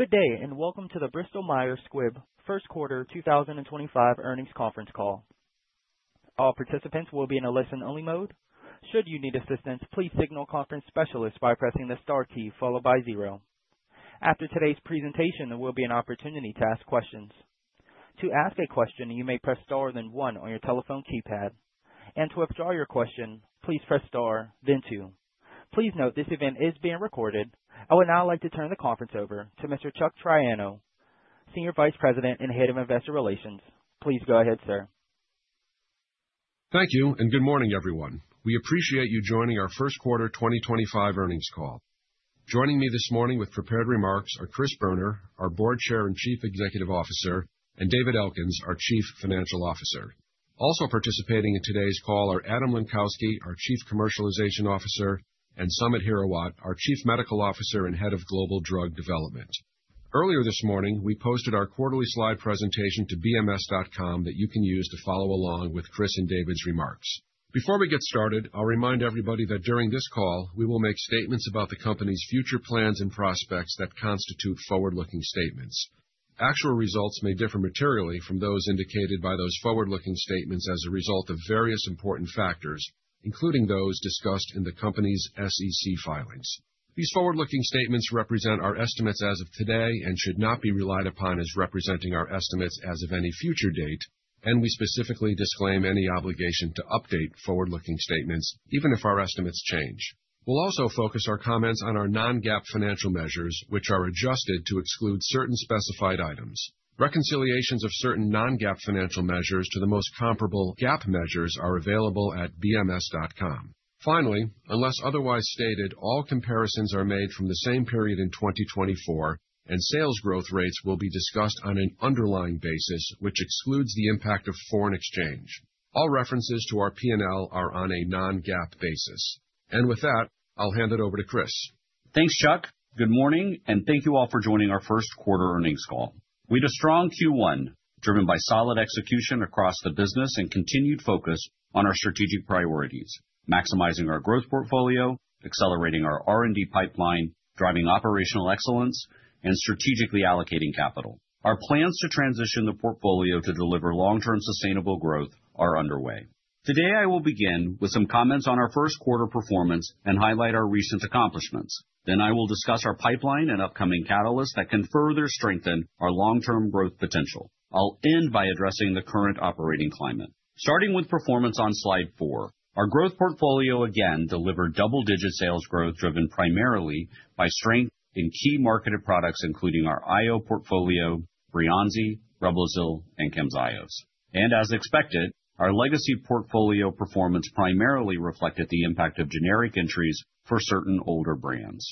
Good day, and welcome to the Bristol Myers Squibb first quarter 2025 earnings conference call. All participants will be in a listen-only mode. Should you need assistance, please signal a conference specialist by pressing the star key followed by zero. After today's presentation, there will be an opportunity to ask questions. To ask a question, you may press star then one on your telephone keypad. To withdraw your question, please press star, then two. Please note this event is being recorded. I would now like to turn the conference over to Mr. Chuck Triano, Senior Vice President and Head of Investor Relations. Please go ahead, sir. Thank you, and good morning, everyone. We appreciate you joining our first quarter 2025 earnings call. Joining me this morning with prepared remarks are Chris Boerner, our Board Chair and Chief Executive Officer, and David Elkins, our Chief Financial Officer. Also participating in today's call are Adam Lenkowsky, our Chief Commercialization Officer, and Samit Hirawat, our Chief Medical Officer and Head of Global Drug Development. Earlier this morning, we posted our quarterly slide presentation to bms.com that you can use to follow along with Chris and David's remarks. Before we get started, I'll remind everybody that during this call, we will make statements about the company's future plans and prospects that constitute forward-looking statements. Actual results may differ materially from those indicated by those forward-looking statements as a result of various important factors, including those discussed in the company's SEC filings. These forward-looking statements represent our estimates as of today and should not be relied upon as representing our estimates as of any future date, and we specifically disclaim any obligation to update forward-looking statements, even if our estimates change. We will also focus our comments on our Non-GAAP financial measures, which are adjusted to exclude certain specified items. Reconciliations of certain Non-GAAP financial measures to the most comparable GAAP measures are available at bms.com. Finally, unless otherwise stated, all comparisons are made from the same period in 2024, and sales growth rates will be discussed on an underlying basis, which excludes the impact of foreign exchange. All references to our P&L are on a Non-GAAP basis. With that, I will hand it over to Chris. Thanks, Chuck. Good morning, and thank you all for joining our first quarter earnings call. We had a strong Q1 driven by solid execution across the business and continued focus on our strategic priorities: maximizing our growth portfolio, accelerating our R&D pipeline, driving operational excellence, and strategically allocating capital. Our plans to transition the portfolio to deliver long-term sustainable growth are underway. Today, I will begin with some comments on our first quarter performance and highlight our recent accomplishments. I will discuss our pipeline and upcoming catalysts that can further strengthen our long-term growth potential. I'll end by addressing the current operating climate. Starting with performance on slide four, our growth portfolio again delivered double-digit sales growth driven primarily by strength in key marketed products, including our I/O portfolio: BREYANZI, REBLOZYL, and CAMZYOS. As expected, our legacy portfolio performance primarily reflected the impact of generic entries for certain older brands.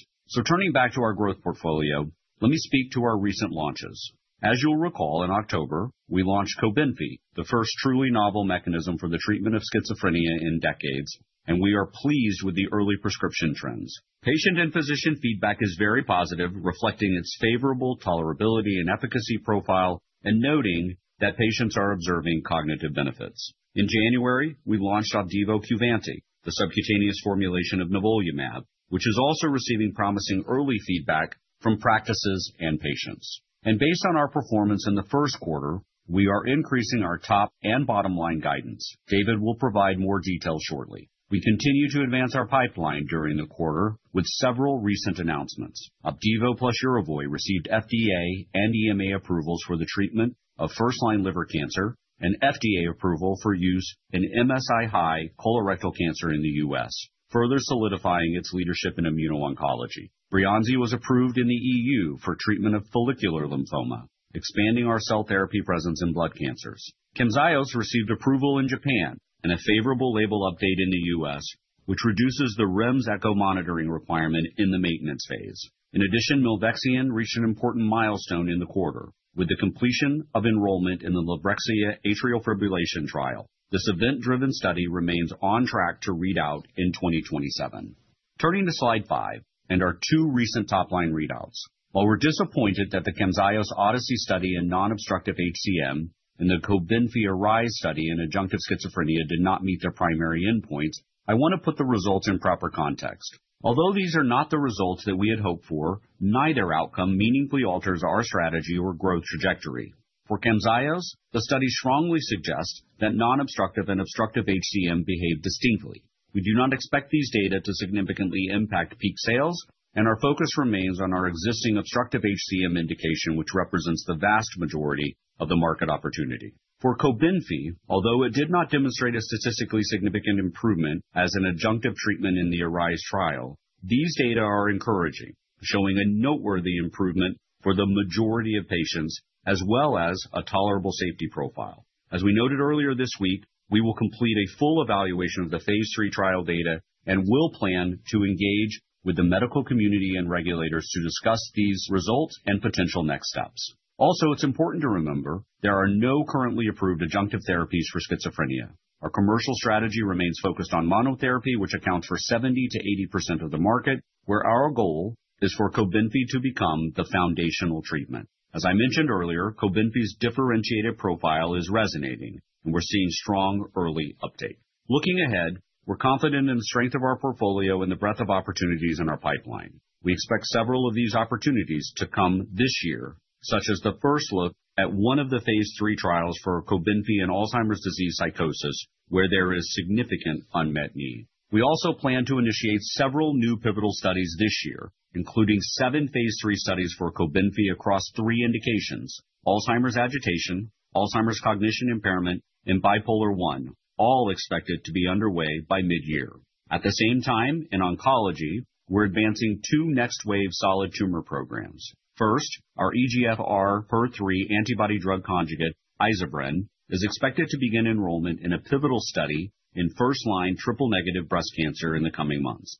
Turning back to our growth portfolio, let me speak to our recent launches. As you'll recall, in October, we launched COBENFY, the first truly novel mechanism for the treatment of schizophrenia in decades, and we are pleased with the early prescription trends. Patient and physician feedback is very positive, reflecting its favorable tolerability and efficacy profile and noting that patients are observing cognitive benefits. In January, we launched OPDIVO QVANTIG, the subcutaneous formulation of nivolumab, which is also receiving promising early feedback from practices and patients. Based on our performance in the first quarter, we are increasing our top and bottom line guidance. David will provide more details shortly. We continue to advance our pipeline during the quarter with several recent announcements. OPDIVO plus YERVOY received FDA and EMA approvals for the treatment of first-line liver cancer and FDA approval for use in MSI-high colorectal cancer in the U.S., further solidifying its leadership in immuno-oncology. BREYANZI was approved in the EU for treatment of follicular lymphoma, expanding our cell therapy presence in blood cancers. CAMZYOS received approval in Japan and a favorable label update in the U.S, which reduces the REMS ECHO monitoring requirement in the maintenance phase. In addition, Milvexian reached an important milestone in the quarter with the completion of enrollment in the Librexia atrial fibrillation trial. This event-driven study remains on track to read out in 2027. Turning to slide five and our two recent top-line readouts. While we're disappointed that the CAMZYOS Odyssey study in non-obstructive HCM and the COBENFY ARISE study in adjunctive schizophrenia did not meet their primary endpoints, I want to put the results in proper context. Although these are not the results that we had hoped for, neither outcome meaningfully alters our strategy or growth trajectory. For CAMZYOS, the study strongly suggests that non-obstructive and obstructive HCM behave distinctly. We do not expect these data to significantly impact peak sales, and our focus remains on our existing obstructive HCM indication, which represents the vast majority of the market opportunity. For COBENFY, although it did not demonstrate a statistically significant improvement as an adjunctive treatment in the ARISE trial, these data are encouraging, showing a noteworthy improvement for the majority of patients as well as a tolerable safety profile. As we noted earlier this week, we will complete a full evaluation of the phase 3 trial data and will plan to engage with the medical community and regulators to discuss these results and potential next steps. Also, it's important to remember there are no currently approved adjunctive therapies for schizophrenia. Our commercial strategy remains focused on monotherapy, which accounts for 70%-80% of the market, where our goal is for COBENFY to become the foundational treatment. As I mentioned earlier, COBENFY's differentiated profile is resonating, and we're seeing strong early uptake. Looking ahead, we're confident in the strength of our portfolio and the breadth of opportunities in our pipeline. We expect several of these opportunities to come this year, such as the first look at one of the phase 3 trials for COBENFY and Alzheimer's disease psychosis, where there is significant unmet need. We also plan to initiate several new pivotal studies this year, including seven phase 3 studies for COBENFY across three indications: Alzheimer's agitation, Alzheimer's cognition impairment, and bipolar I, all expected to be underway by mid-year. At the same time, in oncology, we're advancing two next wave solid tumor programs. First, our EGFRxHER3 antibody drug conjugate, Iza-bren, is expected to begin enrollment in a pivotal study in first-line triple-negative breast cancer in the coming months.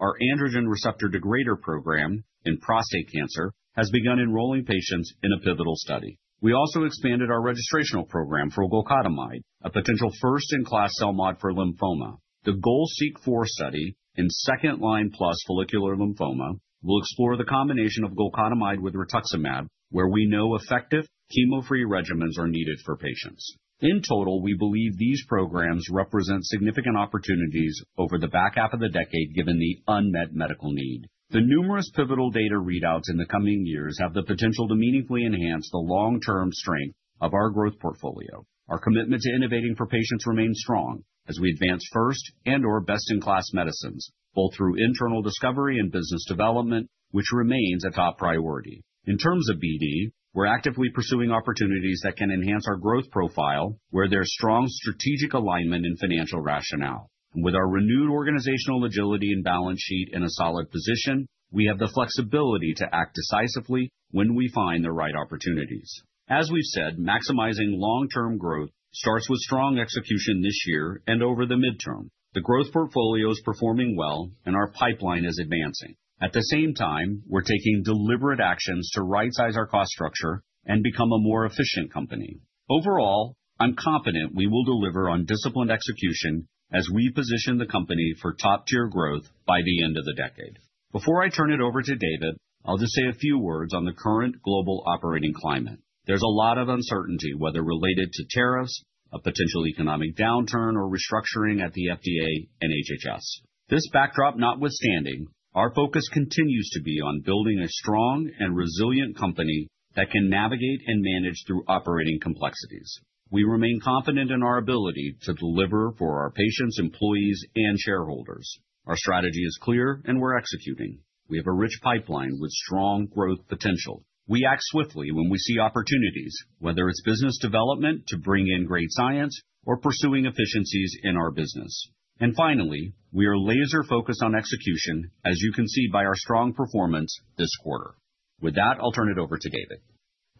Our androgen receptor degrader program in prostate cancer has begun enrolling patients in a pivotal study. We also expanded our registrational program for golcadomide, a potential first-in-class CELMoD for lymphoma. The GOL-SEEK-4 study in second-line plus follicular lymphoma will explore the combination of golcadomide with rituximab, where we know effective chemo-free regimens are needed for patients. In total, we believe these programs represent significant opportunities over the back half of the decade, given the unmet medical need. The numerous pivotal data readouts in the coming years have the potential to meaningfully enhance the long-term strength of our growth portfolio. Our commitment to innovating for patients remains strong as we advance first and/or best-in-class medicines, both through internal discovery and business development, which remains a top priority. In terms of BD, we're actively pursuing opportunities that can enhance our growth profile, where there's strong strategic alignment and financial rationale. With our renewed organizational agility and balance sheet in a solid position, we have the flexibility to act decisively when we find the right opportunities. As we've said, maximizing long-term growth starts with strong execution this year and over the midterm. The growth portfolio is performing well, and our pipeline is advancing. At the same time, we're taking deliberate actions to right-size our cost structure and become a more efficient company. Overall, I'm confident we will deliver on disciplined execution as we position the company for top-tier growth by the end of the decade. Before I turn it over to David, I'll just say a few words on the current global operating climate. There's a lot of uncertainty, whether related to tariffs, a potential economic downturn, or restructuring at the FDA and HHS. This backdrop notwithstanding, our focus continues to be on building a strong and resilient company that can navigate and manage through operating complexities. We remain confident in our ability to deliver for our patients, employees, and shareholders. Our strategy is clear, and we're executing. We have a rich pipeline with strong growth potential. We act swiftly when we see opportunities, whether it's business development to bring in great science or pursuing efficiencies in our business. Finally, we are laser-focused on execution, as you can see by our strong performance this quarter. With that, I'll turn it over to David.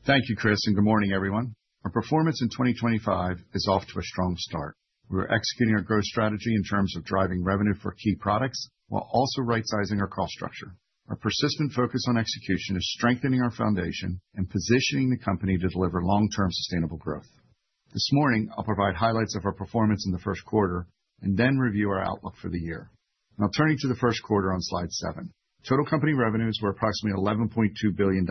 Thank you, Chris, and good morning, everyone. Our performance in 2025 is off to a strong start. We're executing our growth strategy in terms of driving revenue for key products while also right-sizing our cost structure. Our persistent focus on execution is strengthening our foundation and positioning the company to deliver long-term sustainable growth. This morning, I'll provide highlights of our performance in the first quarter and then review our outlook for the year. Now, turning to the first quarter on slide seven, total company revenues were approximately $11.2 billion,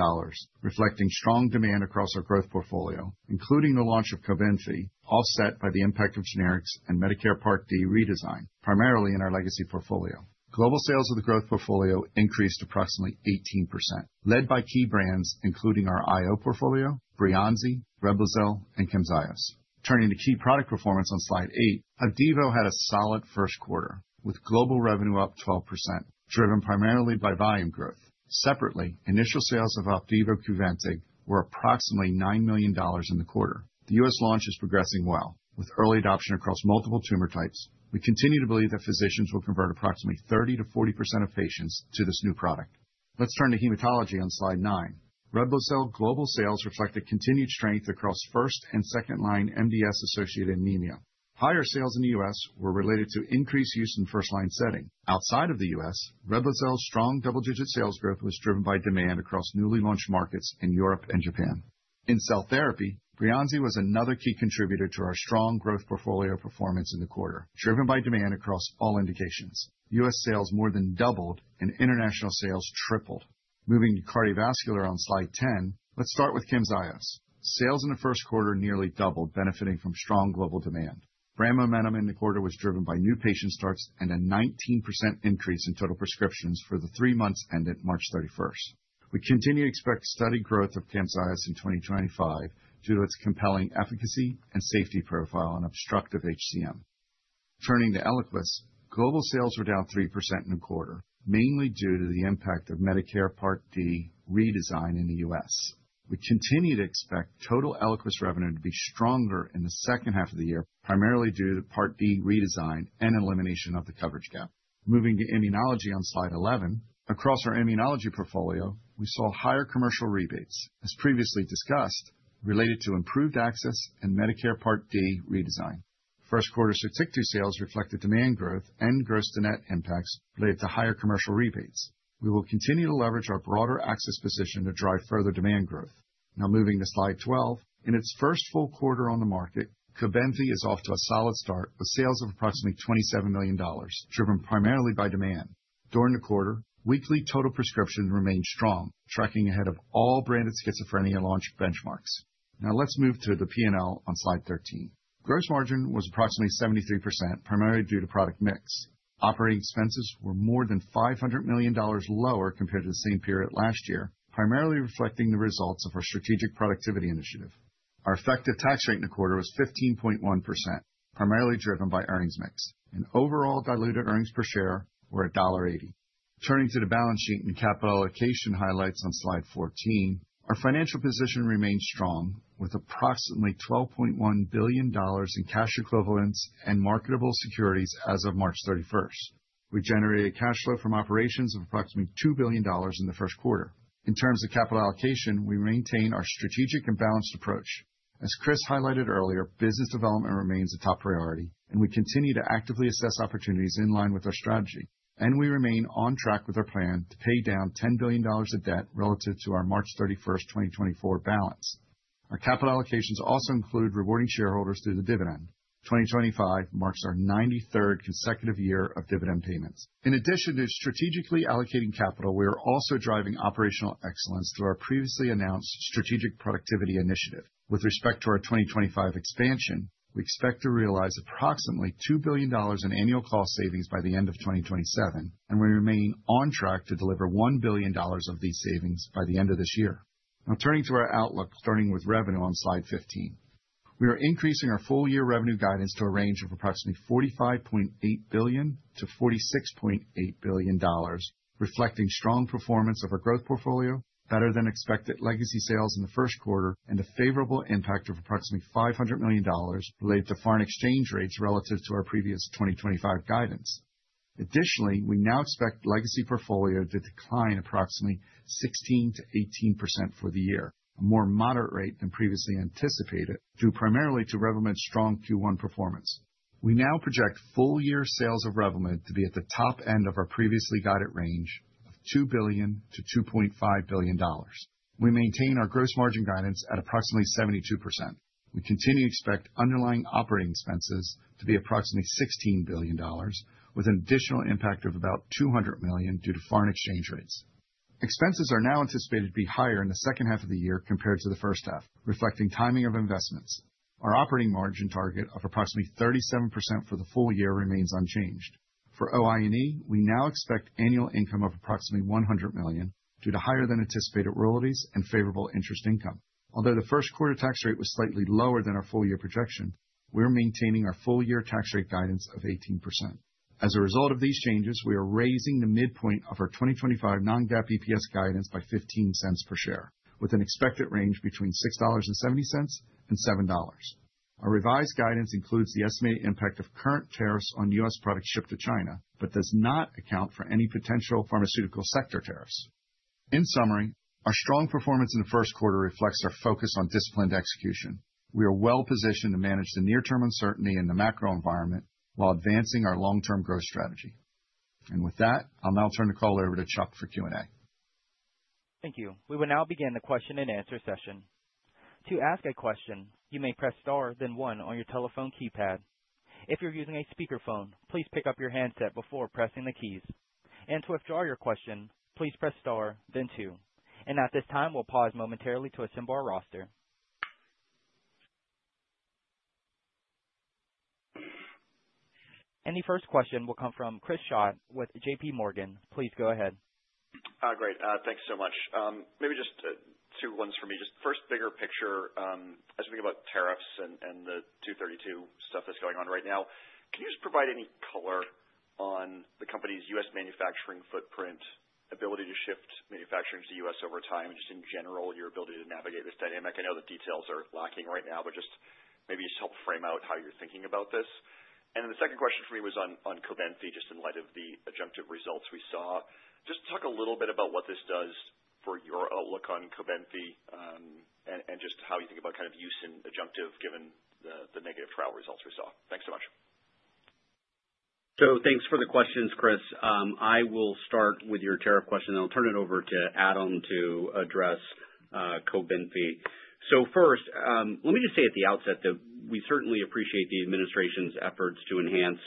reflecting strong demand across our growth portfolio, including the launch of COBENFY, offset by the impact of generics and Medicare Part D redesign, primarily in our legacy portfolio. Global sales of the growth portfolio increased approximately 18%, led by key brands, including our I/O portfolio, BREYANZI, REBLOZYL, and CAMZYOS. Turning to key product performance on slide eight, OPDIVO had a solid first quarter, with global revenue up 12%, driven primarily by volume growth. Separately, initial sales of OPDIVO QVANTIG were approximately $9 million in the quarter. The U.S. launch is progressing well, with early adoption across multiple tumor types. We continue to believe that physicians will convert approximately 30%-40% of patients to this new product. Let's turn to hematology on slide nine. REBLOZYL global sales reflected continued strength across first and second-line MDS-associated anemia. Higher sales in the U.S. were related to increased use in first-line setting. Outside of the U.S., REBLOZYL's strong double-digit sales growth was driven by demand across newly launched markets in Europe and Japan. In cell therapy, BREYANZI was another key contributor to our strong growth portfolio performance in the quarter, driven by demand across all indications. U.S. sales more than doubled and international sales tripled. Moving to cardiovascular on slide 10, let's start with CAMZYOS. Sales in the first quarter nearly doubled, benefiting from strong global demand. Growth in the quarter was driven by new patient starts and a 19% increase in total prescriptions for the three months ended March 31st. We continue to expect steady growth of CAMZYOS in 2025 due to its compelling efficacy and safety profile on obstructive HCM. Turning to ELIQUIS, global sales were down 3% in the quarter, mainly due to the impact of Medicare Part D redesign in the U.S. We continue to expect total ELIQUIS revenue to be stronger in the second half of the year, primarily due to the Part D redesign and elimination of the coverage gap. Moving to immunology on slide 11, across our immunology portfolio, we saw higher commercial rebates, as previously discussed, related to improved access and Medicare Part D redesign. First quarter SOTYKTU sales reflected demand growth and gross-to-net impacts related to higher commercial rebates. We will continue to leverage our broader access position to drive further demand growth. Now, moving to slide 12, in its first full quarter on the market, COBENFY is off to a solid start with sales of approximately $27 million, driven primarily by demand. During the quarter, weekly total prescriptions remained strong, tracking ahead of all branded schizophrenia launch benchmarks. Now, let's move to the P&L on slide 13. Gross margin was approximately 73%, primarily due to product mix. Operating expenses were more than $500 million lower compared to the same period last year, primarily reflecting the results of our strategic productivity initiative. Our effective tax rate in the quarter was 15.1%, primarily driven by earnings mix. Overall diluted earnings per share were $1.80. Turning to the balance sheet and capital allocation highlights on slide 14, our financial position remained strong with approximately $12.1 billion in cash equivalents and marketable securities as of March 31st. We generated cash flow from operations of approximately $2 billion in the first quarter. In terms of capital allocation, we maintain our strategic and balanced approach. As Chris highlighted earlier, business development remains a top priority, and we continue to actively assess opportunities in line with our strategy. We remain on track with our plan to pay down $10 billion of debt relative to our March 31st, 2024 balance. Our capital allocations also include rewarding shareholders through the dividend. 2025 marks our 93rd consecutive year of dividend payments. In addition to strategically allocating capital, we are also driving operational excellence through our previously announced strategic productivity initiative. With respect to our 2025 expansion, we expect to realize approximately $2 billion in annual cost savings by the end of 2027, and we remain on track to deliver $1 billion of these savings by the end of this year. Now, turning to our outlook, starting with revenue on slide 15, we are increasing our full year revenue guidance to a range of approximately $45.8 billion-$46.8 billion, reflecting strong performance of our growth portfolio, better than expected legacy sales in the first quarter, and a favorable impact of approximately $500 million related to foreign exchange rates relative to our previous 2025 guidance. Additionally, we now expect legacy portfolio to decline approximately 16%-18% for the year, a more moderate rate than previously anticipated, due primarily to REVLIMID's strong Q1 performance. We now project full year sales of REVLIMID to be at the top end of our previously guided range of $2 billion-$2.5 billion. We maintain our gross margin guidance at approximately 72%. We continue to expect underlying operating expenses to be approximately $16 billion, with an additional impact of about $200 million due to foreign exchange rates. Expenses are now anticipated to be higher in the second half of the year compared to the first half, reflecting timing of investments. Our operating margin target of approximately 37% for the full year remains unchanged. For OI&E, we now expect annual income of approximately $100 million due to higher-than-anticipated royalties and favorable interest income. Although the first quarter tax rate was slightly lower than our full year projection, we're maintaining our full year tax rate guidance of 18%. As a result of these changes, we are raising the midpoint of our 2025 Non-GAAP EPS guidance by $0.15 per share, with an expected range between $6.70 and $7.00. Our revised guidance includes the estimated impact of current tariffs on U.S. products shipped to China, but does not account for any potential pharmaceutical sector tariffs. In summary, our strong performance in the first quarter reflects our focus on disciplined execution. We are well positioned to manage the near-term uncertainty in the macro environment while advancing our long-term growth strategy. I'll now turn the call over to Chuck for Q&A. Thank you. We will now begin the question and answer session. To ask a question, you may press star, then one on your telephone keypad. If you're using a speakerphone, please pick up your handset before pressing the keys. To withdraw your question, please press star, then two. At this time, we'll pause momentarily to assemble our roster. The first question will come from Chris Schott with JPMorgan. Please go ahead. Hi, great. Thanks so much. Maybe just two ones for me. First, bigger picture, as we think about tariffs and the 232 stuff that's going on right now, can you just provide any color on the company's U.S. manufacturing footprint, ability to shift manufacturing to the U.S. over time, and just in general, your ability to navigate this dynamic? I know the details are lacking right now, but maybe just help frame out how you're thinking about this. The second question for me was on COBENFY, just in light of the adjunctive results we saw. Just talk a little bit about what this does for your outlook on COBENFY and just how you think about kind of use in adjunctive, given the negative trial results we saw. Thanks so much. Thanks for the questions, Chris. I will start with your tariff question, and I'll turn it over to Adam to address COBENFY. First, let me just say at the outset that we certainly appreciate the administration's efforts to enhance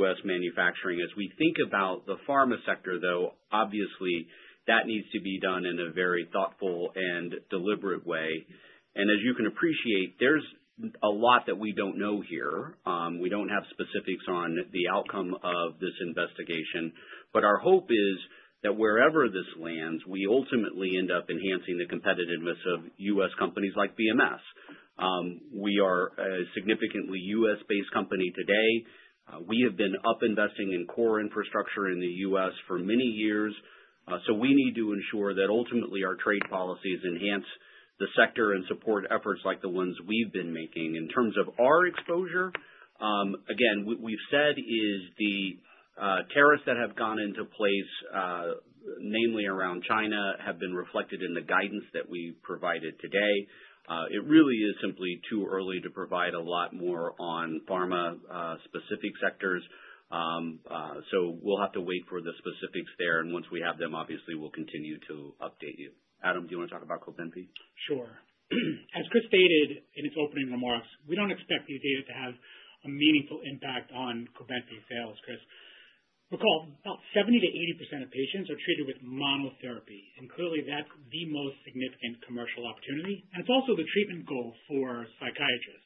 U.S. manufacturing. As we think about the pharma sector, though, obviously, that needs to be done in a very thoughtful and deliberate way. As you can appreciate, there's a lot that we don't know here. We don't have specifics on the outcome of this investigation, but our hope is that wherever this lands, we ultimately end up enhancing the competitiveness of U.S. companies like BMS. We are a significantly U.S.-based company today. We have been investing in core infrastructure in the U.S. for many years. We need to ensure that ultimately our trade policies enhance the sector and support efforts like the ones we've been making. In terms of our exposure, again, what we've said is the tariffs that have gone into place, namely around China, have been reflected in the guidance that we provided today. It really is simply too early to provide a lot more on pharma-specific sectors. We'll have to wait for the specifics there. Once we have them, obviously, we'll continue to update you. Adam, do you want to talk about COBENFY? Sure. As Chris stated in his opening remarks, we do not expect these data to have a meaningful impact on COBENFY sales, Chris. Recall, about 70%-80% of patients are treated with monotherapy. Clearly, that is the most significant commercial opportunity. It is also the treatment goal for psychiatrists.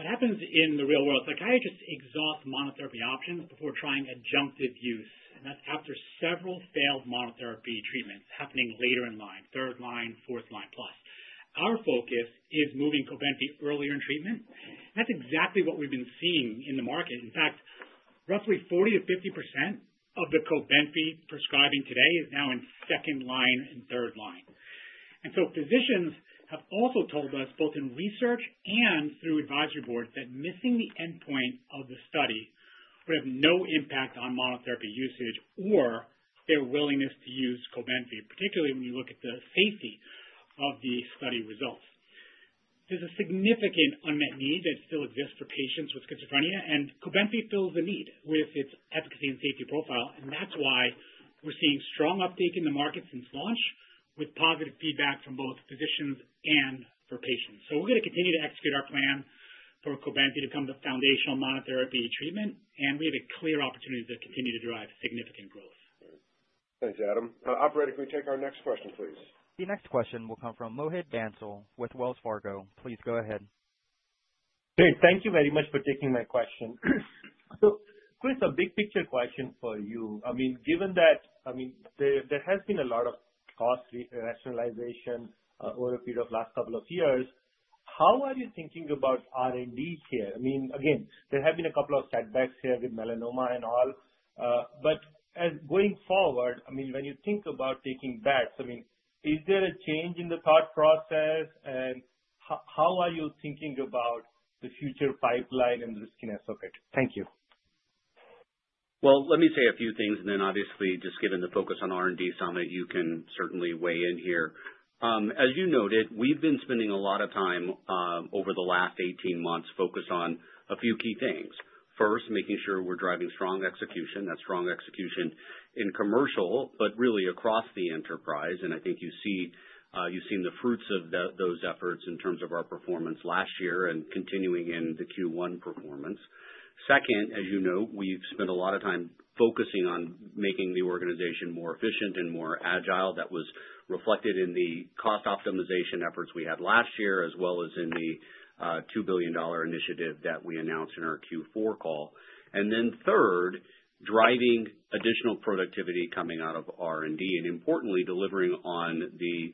What happens in the real world, psychiatrists exhaust monotherapy options before trying adjunctive use. That is after several failed monotherapy treatments happening later in line, third line, fourth line plus. Our focus is moving COBENFY earlier in treatment. That is exactly what we have been seeing in the market. In fact, roughly 40%-50% of the COBENFY prescribing today is now in second line and third line. Physicians have also told us, both in research and through advisory boards, that missing the endpoint of the study would have no impact on monotherapy usage or their willingness to use COBENFY, particularly when you look at the safety of the study results. There is a significant unmet need that still exists for patients with schizophrenia, and COBENFY fills the need with its efficacy and safety profile. That is why we are seeing strong uptake in the market since launch, with positive feedback from both physicians and for patients. We are going to continue to execute our plan for COBENFY to become the foundational monotherapy treatment. We have a clear opportunity to continue to drive significant growth. Thanks, Adam. Operator, can we take our next question, please? The next question will come from Mohit Bansal with Wells Fargo. Please go ahead. Thank you very much for taking my question. Chris, a big picture question for you. I mean, given that there has been a lot of cost rationalization over a period of the last couple of years, how are you thinking about R&D here? I mean, again, there have been a couple of setbacks here with melanoma and all. As going forward, I mean, when you think about taking bets, is there a change in the thought process? How are you thinking about the future pipeline and the riskiness of it? Thank you. Let me say a few things, and then obviously, just given the focus on R&D, Samit, you can certainly weigh in here. As you noted, we've been spending a lot of time over the last 18 months focused on a few key things. First, making sure we're driving strong execution, that strong execution in commercial, but really across the enterprise. I think you've seen the fruits of those efforts in terms of our performance last year and continuing in the Q1 performance. Second, as you know, we've spent a lot of time focusing on making the organization more efficient and more agile. That was reflected in the cost optimization efforts we had last year, as well as in the $2 billion initiative that we announced in our Q4 call. Third, driving additional productivity coming out of R&D, and importantly, delivering on the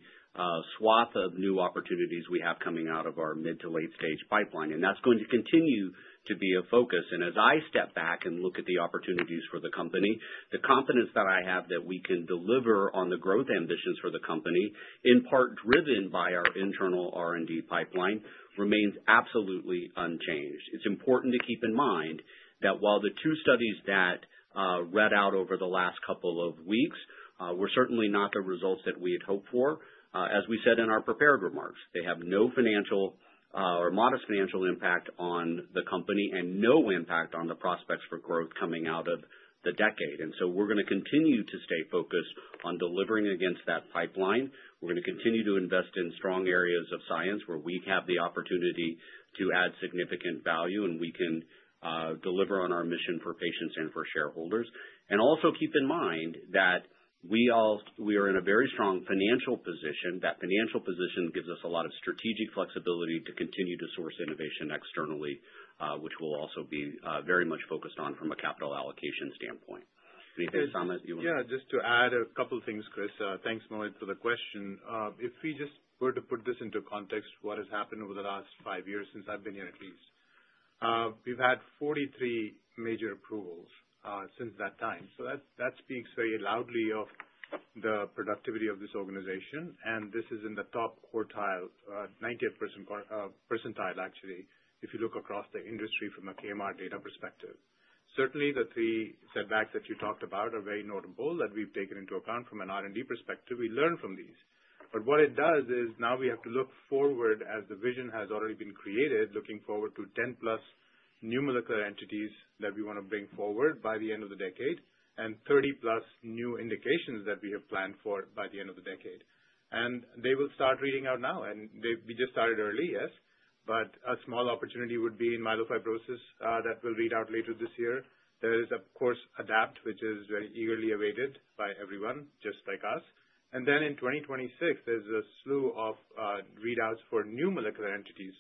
swath of new opportunities we have coming out of our mid to late-stage pipeline. That is going to continue to be a focus. As I step back and look at the opportunities for the company, the confidence that I have that we can deliver on the growth ambitions for the company, in part driven by our internal R&D pipeline, remains absolutely unchanged. It is important to keep in mind that while the two studies that read out over the last couple of weeks were certainly not the results that we had hoped for, as we said in our prepared remarks, they have no financial or modest financial impact on the company and no impact on the prospects for growth coming out of the decade. We are going to continue to stay focused on delivering against that pipeline. We are going to continue to invest in strong areas of science where we have the opportunity to add significant value and we can deliver on our mission for patients and for shareholders. Also keep in mind that we are in a very strong financial position. That financial position gives us a lot of strategic flexibility to continue to source innovation externally, which will also be very much focused on from a capital allocation standpoint. Anything, Samit, you want to? Yeah, just to add a couple of things, Chris. Thanks, Mohit, for the question. If we just were to put this into context, what has happened over the last five years since I've been here at least, we've had 43 major approvals since that time. That speaks very loudly of the productivity of this organization. This is in the top quartile, 90th percentile, actually, if you look across the industry from a KMR data perspective. Certainly, the three setbacks that you talked about are very notable that we've taken into account from an R&D perspective. We learned from these. What it does is now we have to look forward as the vision has already been created, looking forward to 10+ new molecular entities that we want to bring forward by the end of the decade and 30+ new indications that we have planned for by the end of the decade. They will start reading out now. We just started early, yes. A small opportunity would be in myelofibrosis that will read out later this year. There is, of course, ADAPT, which is very eagerly awaited by everyone, just like us. In 2026, there is a slew of readouts for new molecular entities.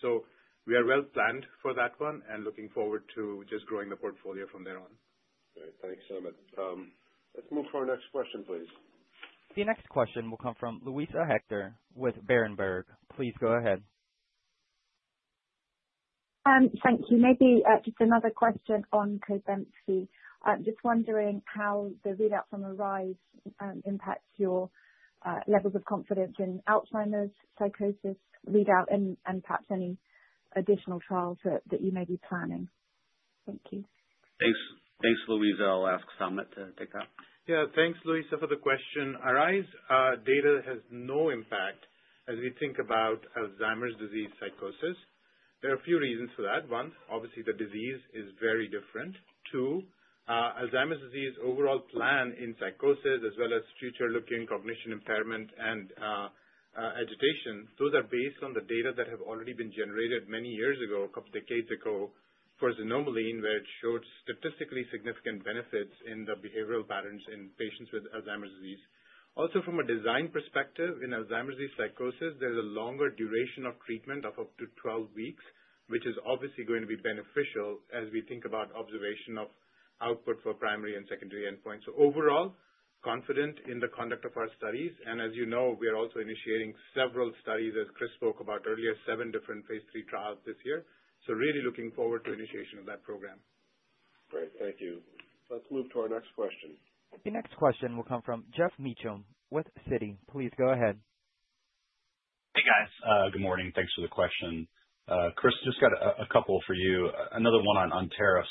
We are well planned for that one and looking forward to just growing the portfolio from there on. Great. Thanks, Samit. Let's move to our next question, please. The next question will come from Luisa Hector with Berenberg. Please go ahead. Thank you. Maybe just another question on COBENFY. Just wondering how the readout from ARISE impacts your levels of confidence in Alzheimer's psychosis readout, and perhaps any additional trials that you may be planning. Thank you. Thanks. Thanks, Luisa. I'll ask Samit to take that. Yeah. Thanks, Luisa, for the question. ARISE data has no impact as we think about Alzheimer's disease psychosis. There are a few reasons for that. One, obviously, the disease is very different. Two, Alzheimer's disease overall plan in psychosis, as well as future-looking cognition impairment and agitation, those are based on the data that have already been generated many years ago, a couple of decades ago for Xanomeline, where it showed statistically significant benefits in the behavioral patterns in patients with Alzheimer's disease. Also, from a design perspective, in Alzheimer's disease psychosis, there's a longer duration of treatment of up to 12 weeks, which is obviously going to be beneficial as we think about observation of output for primary and secondary endpoints. Overall, confident in the conduct of our studies. As you know, we are also initiating several studies, as Chris spoke about earlier, seven different phase 3 trials this year. Really looking forward to initiation of that program. Great. Thank you. Let's move to our next question. The next question will come from Geoff Meacham with Citi. Please go ahead. Hey, guys. Good morning. Thanks for the question. Chris, just got a couple for you. Another one on tariffs.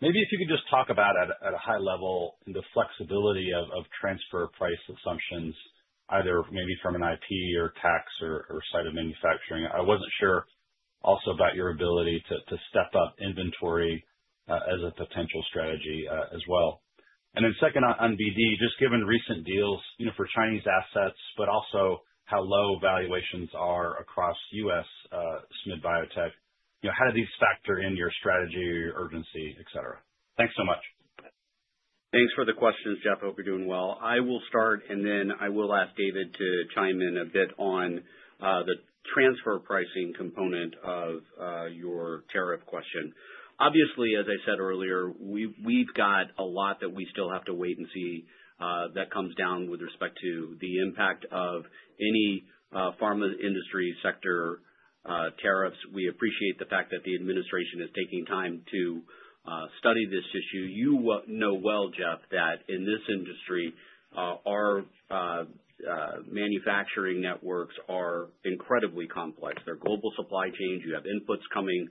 Maybe if you could just talk about at a high level the flexibility of transfer price assumptions, either maybe from an IP or tax or site of manufacturing. I was not sure also about your ability to step up inventory as a potential strategy as well. Second on BD, just given recent deals for Chinese assets, but also how low valuations are across U.S. Smith Biotech, how do these factor in your strategy, urgency, etc.? Thanks so much. Thanks for the questions, Geoff. I hope you're doing well. I will start, and then I will ask David to chime in a bit on the transfer pricing component of your tariff question. Obviously, as I said earlier, we've got a lot that we still have to wait and see that comes down with respect to the impact of any pharma industry sector tariffs. We appreciate the fact that the administration is taking time to study this issue. You know well, Geoff, that in this industry, our manufacturing networks are incredibly complex. They're global supply chains. You have inputs coming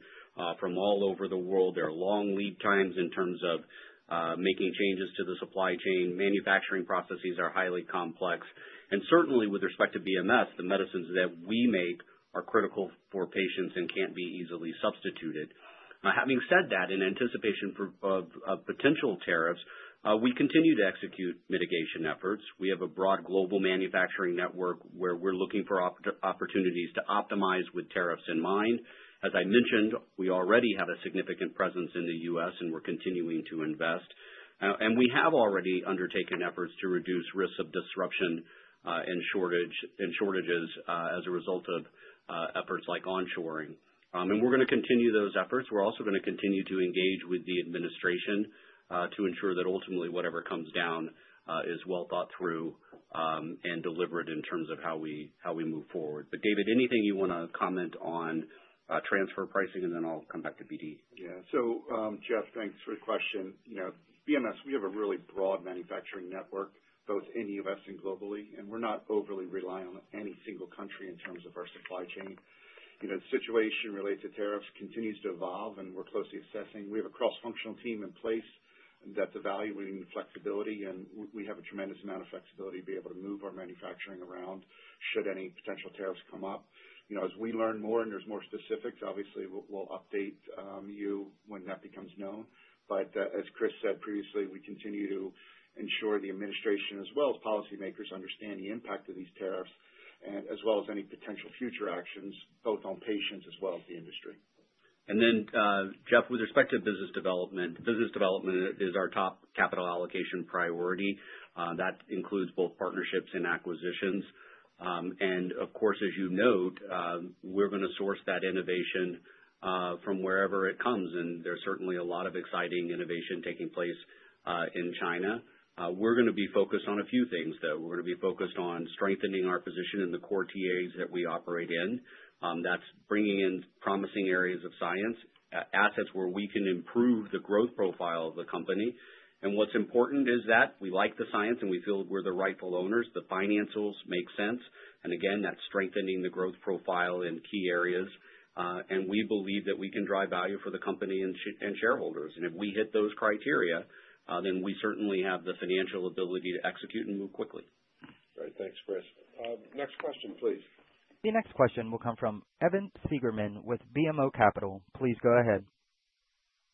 from all over the world. There are long lead times in terms of making changes to the supply chain. Manufacturing processes are highly complex. Certainly, with respect to BMS, the medicines that we make are critical for patients and can't be easily substituted. Having said that, in anticipation of potential tariffs, we continue to execute mitigation efforts. We have a broad global manufacturing network where we're looking for opportunities to optimize with tariffs in mind. As I mentioned, we already have a significant presence in the U.S., and we're continuing to invest. We have already undertaken efforts to reduce risks of disruption and shortages as a result of efforts like onshoring. We're going to continue those efforts. We're also going to continue to engage with the administration to ensure that ultimately whatever comes down is well thought through and delivered in terms of how we move forward. David, anything you want to comment on transfer pricing, and then I'll come back to BD. Yeah. Geoff, thanks for the question. BMS, we have a really broad manufacturing network, both in the U.S. and globally. We are not overly reliant on any single country in terms of our supply chain. The situation related to tariffs continues to evolve, and we are closely assessing. We have a cross-functional team in place that is evaluating flexibility. We have a tremendous amount of flexibility to be able to move our manufacturing around should any potential tariffs come up. As we learn more and there are more specifics, obviously, we will update you when that becomes known. As Chris said previously, we continue to ensure the administration, as well as policymakers, understand the impact of these tariffs, as well as any potential future actions, both on patients as well as the industry. Geoff, with respect to business development, business development is our top capital allocation priority. That includes both partnerships and acquisitions. Of course, as you note, we're going to source that innovation from wherever it comes. There is certainly a lot of exciting innovation taking place in China. We're going to be focused on a few things, though. We're going to be focused on strengthening our position in the core TAs that we operate in. That's bringing in promising areas of science, assets where we can improve the growth profile of the company. What's important is that we like the science, and we feel we're the rightful owners. The financials make sense. Again, that's strengthening the growth profile in key areas. We believe that we can drive value for the company and shareholders. If we hit those criteria, then we certainly have the financial ability to execute and move quickly. Great. Thanks, Chris. Next question, please. The next question will come from Evan Seigerman with BMO Capital. Please go ahead.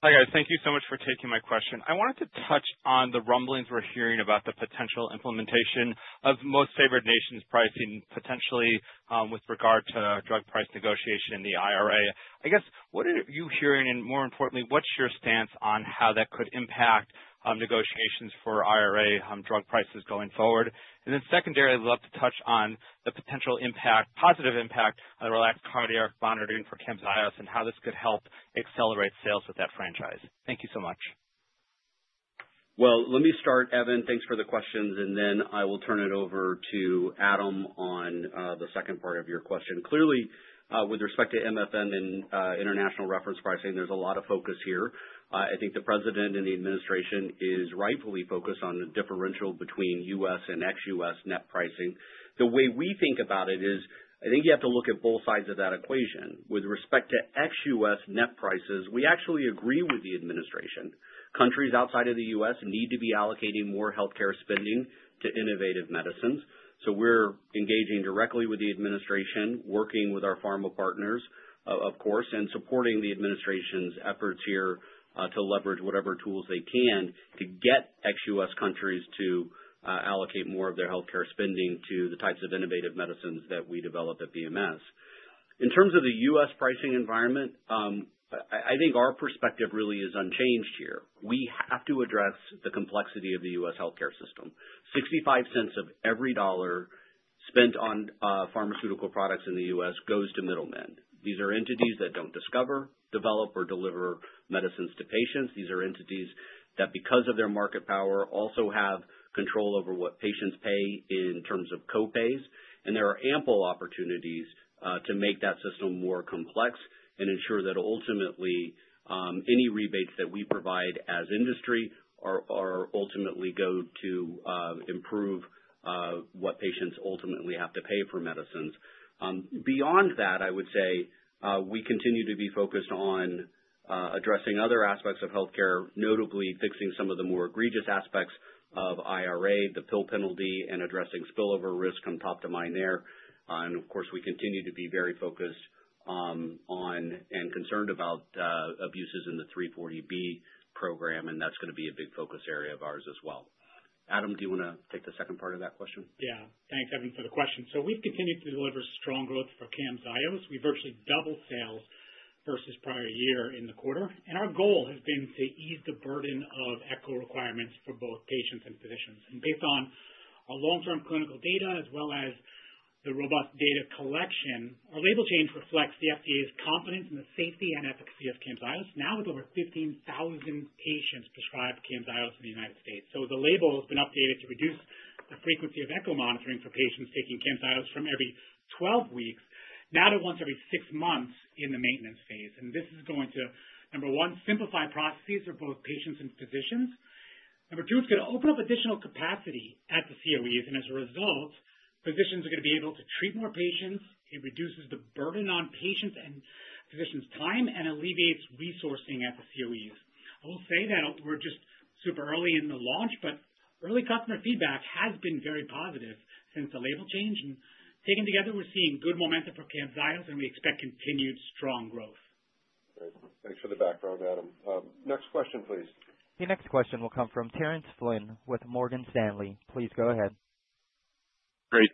Hi guys. Thank you so much for taking my question. I wanted to touch on the rumblings we're hearing about the potential implementation of most favored nations pricing, potentially with regard to drug price negotiation in the IRA. I guess, what are you hearing? More importantly, what's your stance on how that could impact negotiations for IRA drug prices going forward? Secondarily, I'd love to touch on the potential positive impact of relaxed cardiac monitoring for CAMZYOS and how this could help accelerate sales with that franchise. Thank you so much. Let me start, Evan. Thanks for the questions. I will turn it over to Adam on the second part of your question. Clearly, with respect to MFM and international reference pricing, there is a lot of focus here. I think the president and the administration are rightfully focused on the differential between U.S. and ex-U.S. net pricing. The way we think about it is, I think you have to look at both sides of that equation. With respect to ex-U.S. net prices, we actually agree with the administration. Countries outside of the U.S. need to be allocating more healthcare spending to innovative medicines. We're engaging directly with the administration, working with our pharma partners, of course, and supporting the administration's efforts here to leverage whatever tools they can to get ex-U.S. countries to allocate more of their healthcare spending to the types of innovative medicines that we develop at BMS. In terms of the U.S. pricing environment, I think our perspective really is unchanged here. We have to address the complexity of the U.S. healthcare system. $0.65 of every dollar spent on pharmaceutical products in the U.S. goes to middlemen. These are entities that do not discover, develop, or deliver medicines to patients. These are entities that, because of their market power, also have control over what patients pay in terms of co-pays. There are ample opportunities to make that system more complex and ensure that ultimately any rebates that we provide as industry ultimately go to improve what patients ultimately have to pay for medicines. Beyond that, I would say we continue to be focused on addressing other aspects of healthcare, notably fixing some of the more egregious aspects of IRA, the pill penalty, and addressing spillover risk on top to mine there. Of course, we continue to be very focused on and concerned about abuses in the 340B program. That is going to be a big focus area of ours as well. Adam, do you want to take the second part of that question? Yeah. Thanks, Evan, for the question. We've continued to deliver strong growth for CAMZYOS. We virtually doubled sales versus prior year in the quarter. Our goal has been to ease the burden of ECHO requirements for both patients and physicians. Based on our long-term clinical data as well as the robust data collection, our label change reflects the FDA's confidence in the safety and efficacy of CAMZYOS, now with over 15,000 patients prescribed CAMZYOS in the United States. The label has been updated to reduce the frequency of ECHO monitoring for patients taking CAMZYOS from every 12 weeks now to once every six months in the maintenance phase. This is going to, number one, simplify processes for both patients and physicians. Number two, it's going to open up additional capacity at the COEs. As a result, physicians are going to be able to treat more patients. It reduces the burden on patients and physicians' time and alleviates resourcing at the COEs. I will say that we're just super early in the launch, but early customer feedback has been very positive since the label change. Taken together, we're seeing good momentum for CAMZYOS, and we expect continued strong growth. Great. Thanks for the background, Adam. Next question, please. The next question will come from Terence Flynn with Morgan Stanley. Please go ahead. Great.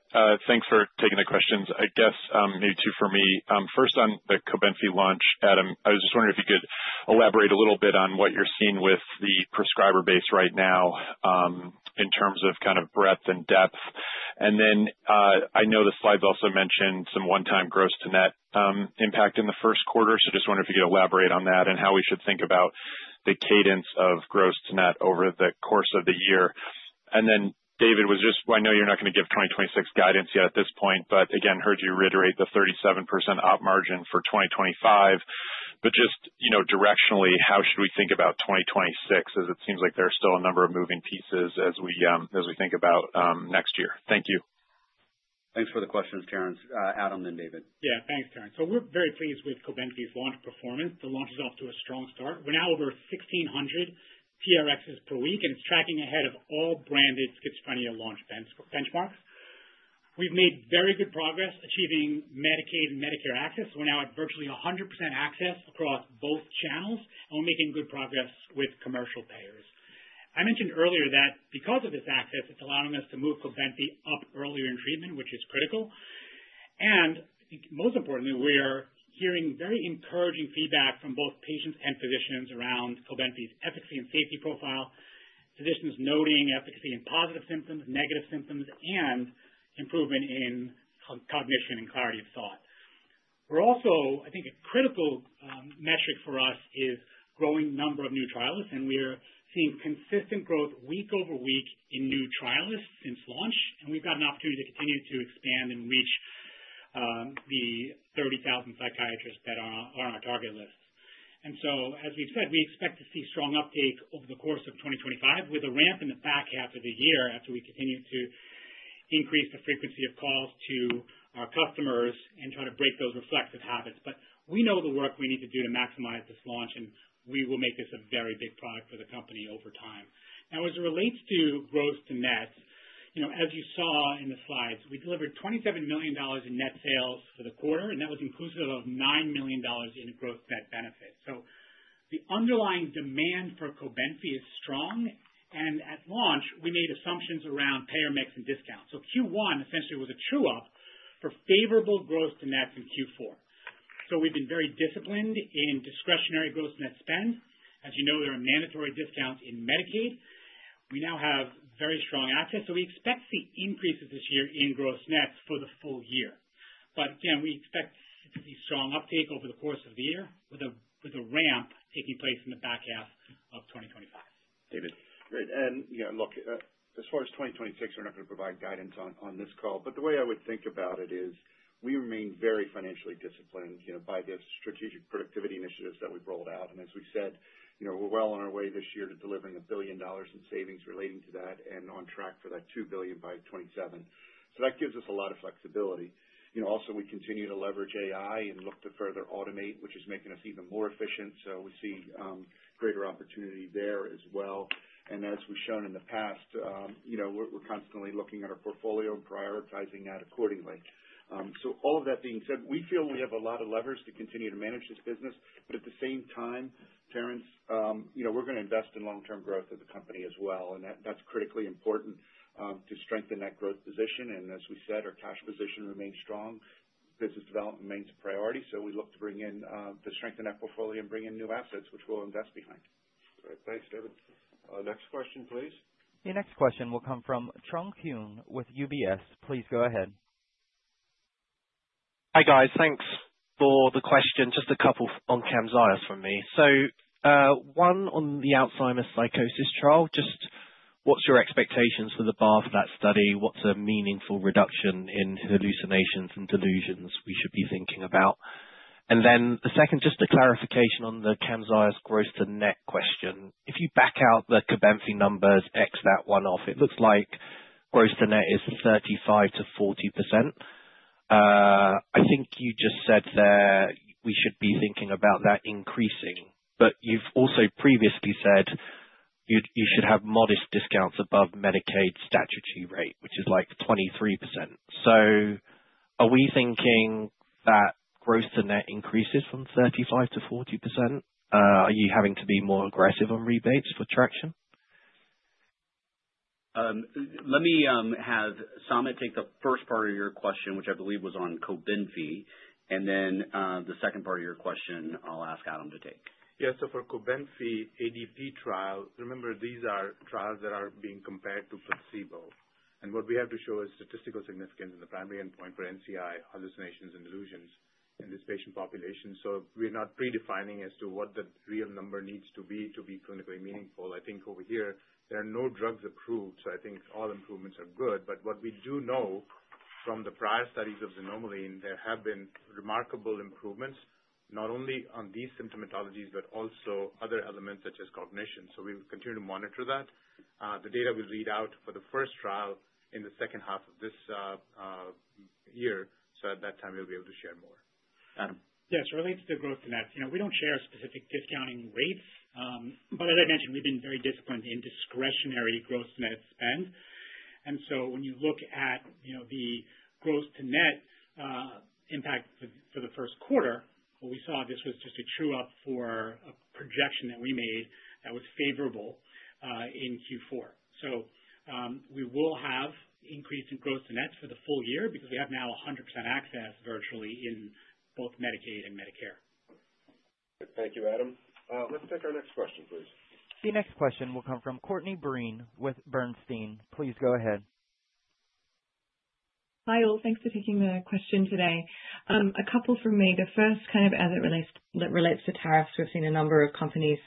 Thanks for taking the questions. I guess maybe two for me. First, on the COBENFY launch, Adam, I was just wondering if you could elaborate a little bit on what you're seeing with the prescriber base right now in terms of kind of breadth and depth. I know the slides also mentioned some one-time gross-to-net impact in the first quarter. Just wondering if you could elaborate on that and how we should think about the cadence of gross-to-net over the course of the year. David, I know you're not going to give 2026 guidance yet at this point, but again, heard you reiterate the 37% op margin for 2025. Just directionally, how should we think about 2026? It seems like there are still a number of moving pieces as we think about next year. Thank you. Thanks for the questions, Terence. Adam and David. Yeah. Thanks, Terence. We're very pleased with COBENFY's launch performance. The launch is off to a strong start. We're now over 1,600 TRXs per week, and it's tracking ahead of all branded schizophrenia launch benchmarks. We've made very good progress achieving Medicaid and Medicare access. We're now at virtually 100% access across both channels, and we're making good progress with commercial payers. I mentioned earlier that because of this access, it's allowing us to move COBENFY up earlier in treatment, which is critical. Most importantly, we are hearing very encouraging feedback from both patients and physicians around COBENFY's efficacy and safety profile, physicians noting efficacy in positive symptoms, negative symptoms, and improvement in cognition and clarity of thought. Also, I think a critical metric for us is the growing number of new trialists. We are seeing consistent growth week over week in new trialists since launch. We have an opportunity to continue to expand and reach the 30,000 psychiatrists that are on our target list. As we have said, we expect to see strong uptake over the course of 2025 with a ramp in the back half of the year after we continue to increase the frequency of calls to our customers and try to break those reflexive habits. We know the work we need to do to maximize this launch, and we will make this a very big product for the company over time. As it relates to gross-to-net, as you saw in the slides, we delivered $27 million in net sales for the quarter, and that was inclusive of $9 million in gross-to-net benefits. The underlying demand for COBENFY is strong. At launch, we made assumptions around payer mix and discounts. Q1 essentially was a true-up for favorable gross-to-net in Q4. We have been very disciplined in discretionary gross-to-net spend. As you know, there are mandatory discounts in Medicaid. We now have very strong access. We expect to see increases this year in gross-to-net for the full year. Again, we expect to see strong uptake over the course of the year with a ramp taking place in the back half of 2025. Great. As far as 2026, we're not going to provide guidance on this call. The way I would think about it is we remain very financially disciplined by the strategic productivity initiatives that we've rolled out. As we said, we're well on our way this year to delivering $1 billion in savings relating to that and on track for that $2 billion by 2027. That gives us a lot of flexibility. We continue to leverage AI and look to further automate, which is making us even more efficient. We see greater opportunity there as well. As we've shown in the past, we're constantly looking at our portfolio and prioritizing that accordingly. All of that being said, we feel we have a lot of levers to continue to manage this business. At the same time, Terence, we're going to invest in long-term growth of the company as well. That's critically important to strengthen that growth position. As we said, our cash position remains strong. Business development remains a priority. We look to strengthen that portfolio and bring in new assets, which we'll invest behind. Great. Thanks, David. Next question, please. The next question will come from Trung Huynh with UBS. Please go ahead. Hi guys. Thanks for the question. Just a couple on CAMZYOS from me. One on the Alzheimer's psychosis trial, just what's your expectations for the bar for that study? What's a meaningful reduction in hallucinations and delusions we should be thinking about? The second, just a clarification on the CAMZYOS gross-to-net question. If you back out the COBENFY numbers, X that one off, it looks like gross-to-net is 35%-40%. I think you just said that we should be thinking about that increasing. You've also previously said you should have modest discounts above Medicaid statutory rate, which is like 23%. Are we thinking that gross-to-net increases from 35%-40%? Are you having to be more aggressive on rebates for traction? Let me have Samit take the first part of your question, which I believe was on COBENFY. The second part of your question, I'll ask Adam to take. Yeah. For COBENFY ADP trial, remember these are trials that are being compared to placebo. What we have to show is statistical significance in the primary endpoint for NCI hallucinations and delusions in this patient population. We are not predefining as to what the real number needs to be to be clinically meaningful. I think over here, there are no drugs approved. I think all improvements are good. What we do know from the prior studies of Xanomeline, there have been remarkable improvements not only on these symptomatologies but also other elements such as cognition. We will continue to monitor that. The data will read out for the first trial in the second half of this year. At that time, we will be able to share more. Adam. Yeah. As it relates to gross-to-net, we do not share specific discounting rates. As I mentioned, we have been very disciplined in discretionary gross-to-net spend. When you look at the gross-to-net impact for the first quarter, what we saw, this was just a true-up for a projection that we made that was favorable in Q4. We will have increased in gross-to-net for the full year because we have now 100% access virtually in both Medicaid and Medicare. Thank you, Adam. Let's take our next question, please. The next question will come from Courtney Breen with Bernstein. Please go ahead. Hi, all. Thanks for taking the question today. A couple for me. The first, kind of as it relates to tariffs, we've seen a number of companies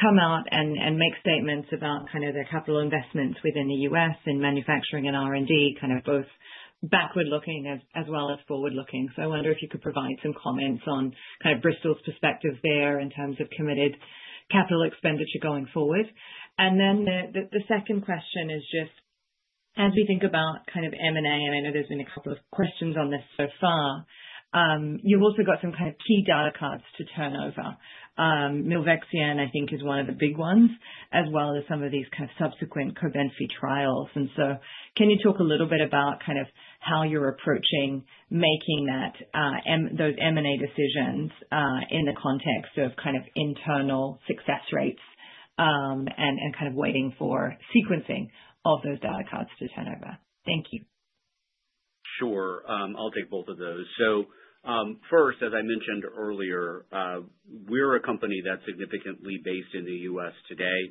come out and make statements about kind of their capital investments within the U.S. in manufacturing and R&D, kind of both backward-looking as well as forward-looking. I wonder if you could provide some comments on kind of Bristol's perspective there in terms of committed capital expenditure going forward. The second question is just, as we think about kind of M&A, and I know there's been a couple of questions on this so far, you've also got some kind of key data cards to turnover. Milvexian, I think, is one of the big ones, as well as some of these kind of subsequent COBENFY trials. Can you talk a little bit about kind of how you're approaching making those M&A decisions in the context of kind of internal success rates and kind of waiting for sequencing of those data cards to turnover? Thank you. Sure. I'll take both of those. First, as I mentioned earlier, we're a company that's significantly based in the U.S. today.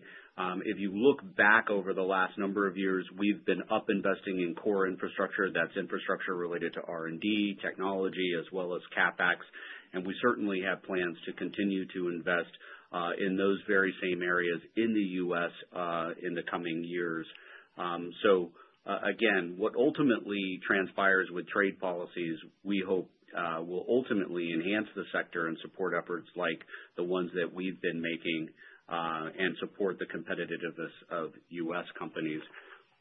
If you look back over the last number of years, we've been up investing in core infrastructure. That's infrastructure related to R&D, technology, as well as CapEx. We certainly have plans to continue to invest in those very same areas in the U.S. in the coming years. Again, what ultimately transpires with trade policies, we hope will ultimately enhance the sector and support efforts like the ones that we've been making and support the competitiveness of U.S. companies.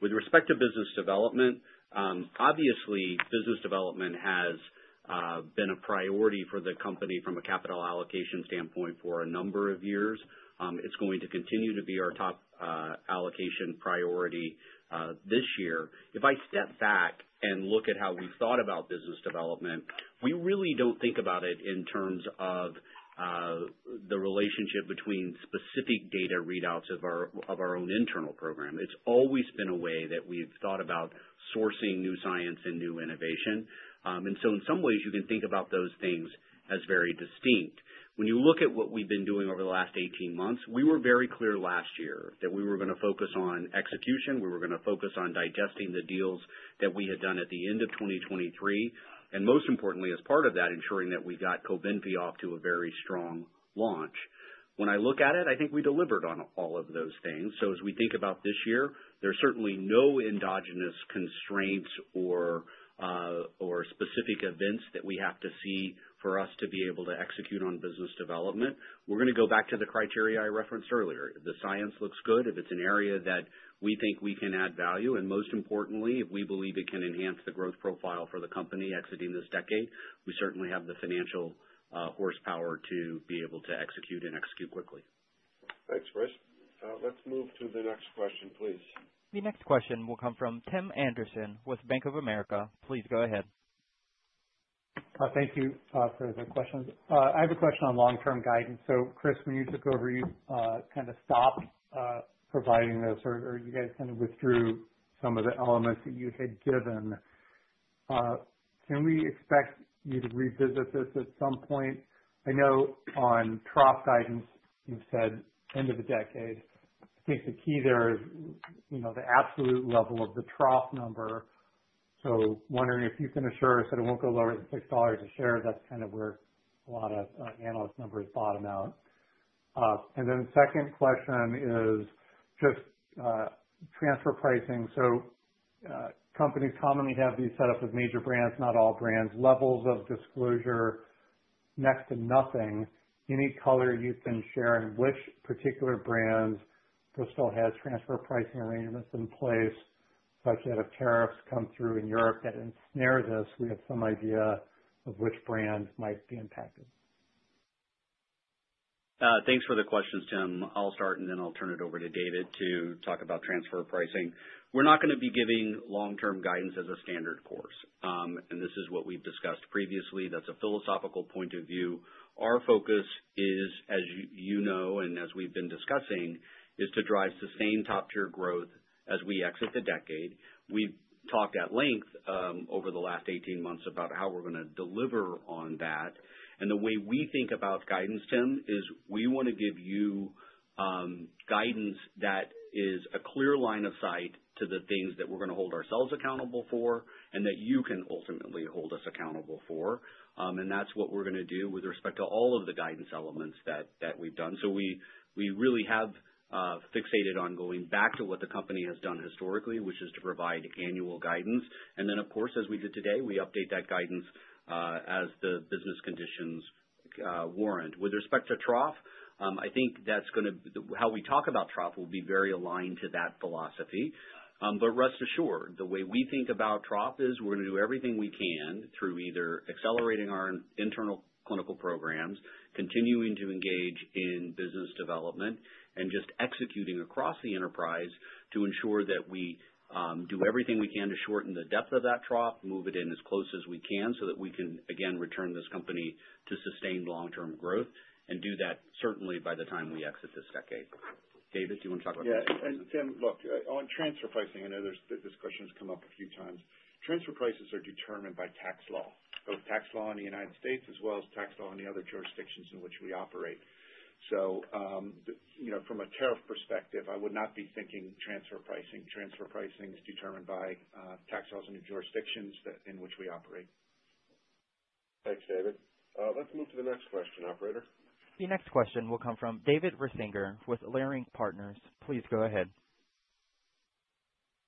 With respect to business development, obviously, business development has been a priority for the company from a capital allocation standpoint for a number of years. It's going to continue to be our top allocation priority this year. If I step back and look at how we've thought about business development, we really don't think about it in terms of the relationship between specific data readouts of our own internal program. It's always been a way that we've thought about sourcing new science and new innovation. In some ways, you can think about those things as very distinct. When you look at what we've been doing over the last 18 months, we were very clear last year that we were going to focus on execution. We were going to focus on digesting the deals that we had done at the end of 2023. Most importantly, as part of that, ensuring that we got COBENFY off to a very strong launch. When I look at it, I think we delivered on all of those things. As we think about this year, there's certainly no endogenous constraints or specific events that we have to see for us to be able to execute on business development. We're going to go back to the criteria I referenced earlier. The science looks good. If it's an area that we think we can add value, and most importantly, if we believe it can enhance the growth profile for the company exiting this decade, we certainly have the financial horsepower to be able to execute and execute quickly. Thanks, Chris. Let's move to the next question, please. The next question will come from Tim Anderson with Bank of America. Please go ahead. Thank you for the questions. I have a question on long-term guidance. Chris, when you took over, you kind of stopped providing this, or you guys kind of withdrew some of the elements that you had given. Can we expect you to revisit this at some point? I know on trough guidance, you said end of the decade. I think the key there is the absolute level of the trough number. Wondering if you can assure us that it will not go lower than $6 a share. That is kind of where a lot of analyst numbers bottom out. The second question is just transfer pricing. Companies commonly have these set up with major brands, not all brands, levels of disclosure next to nothing. Any color you can share on which particular brands Bristol has transfer pricing arrangements in place such that if tariffs come through in Europe that ensnare this, we have some idea of which brand might be impacted. Thanks for the questions, Tim. I'll start, and then I'll turn it over to David to talk about transfer pricing. We're not going to be giving long-term guidance as a standard course. This is what we've discussed previously. That's a philosophical point of view. Our focus is, as you know and as we've been discussing, to drive sustained top-tier growth as we exit the decade. We've talked at length over the last 18 months about how we're going to deliver on that. The way we think about guidance, Tim, is we want to give you guidance that is a clear line of sight to the things that we're going to hold ourselves accountable for and that you can ultimately hold us accountable for. That's what we're going to do with respect to all of the guidance elements that we've done. We really have fixated on going back to what the company has done historically, which is to provide annual guidance. Of course, as we did today, we update that guidance as the business conditions warrant. With respect to trough, I think that's going to how we talk about trough will be very aligned to that philosophy. Rest assured, the way we think about trough is we're going to do everything we can through either accelerating our internal clinical programs, continuing to engage in business development, and just executing across the enterprise to ensure that we do everything we can to shorten the depth of that trough, move it in as close as we can so that we can, again, return this company to sustained long-term growth and do that certainly by the time we exit this decade. David, do you want to talk about this? Yeah. Tim, look, on transfer pricing, I know this question has come up a few times. Transfer prices are determined by tax law, both tax law in the United States as well as tax law in the other jurisdictions in which we operate. From a tariff perspective, I would not be thinking transfer pricing. Transfer pricing is determined by tax laws in the jurisdictions in which we operate. Thanks, David. Let's move to the next question, operator. The next question will come from David Risinger with Leerink Partners. Please go ahead.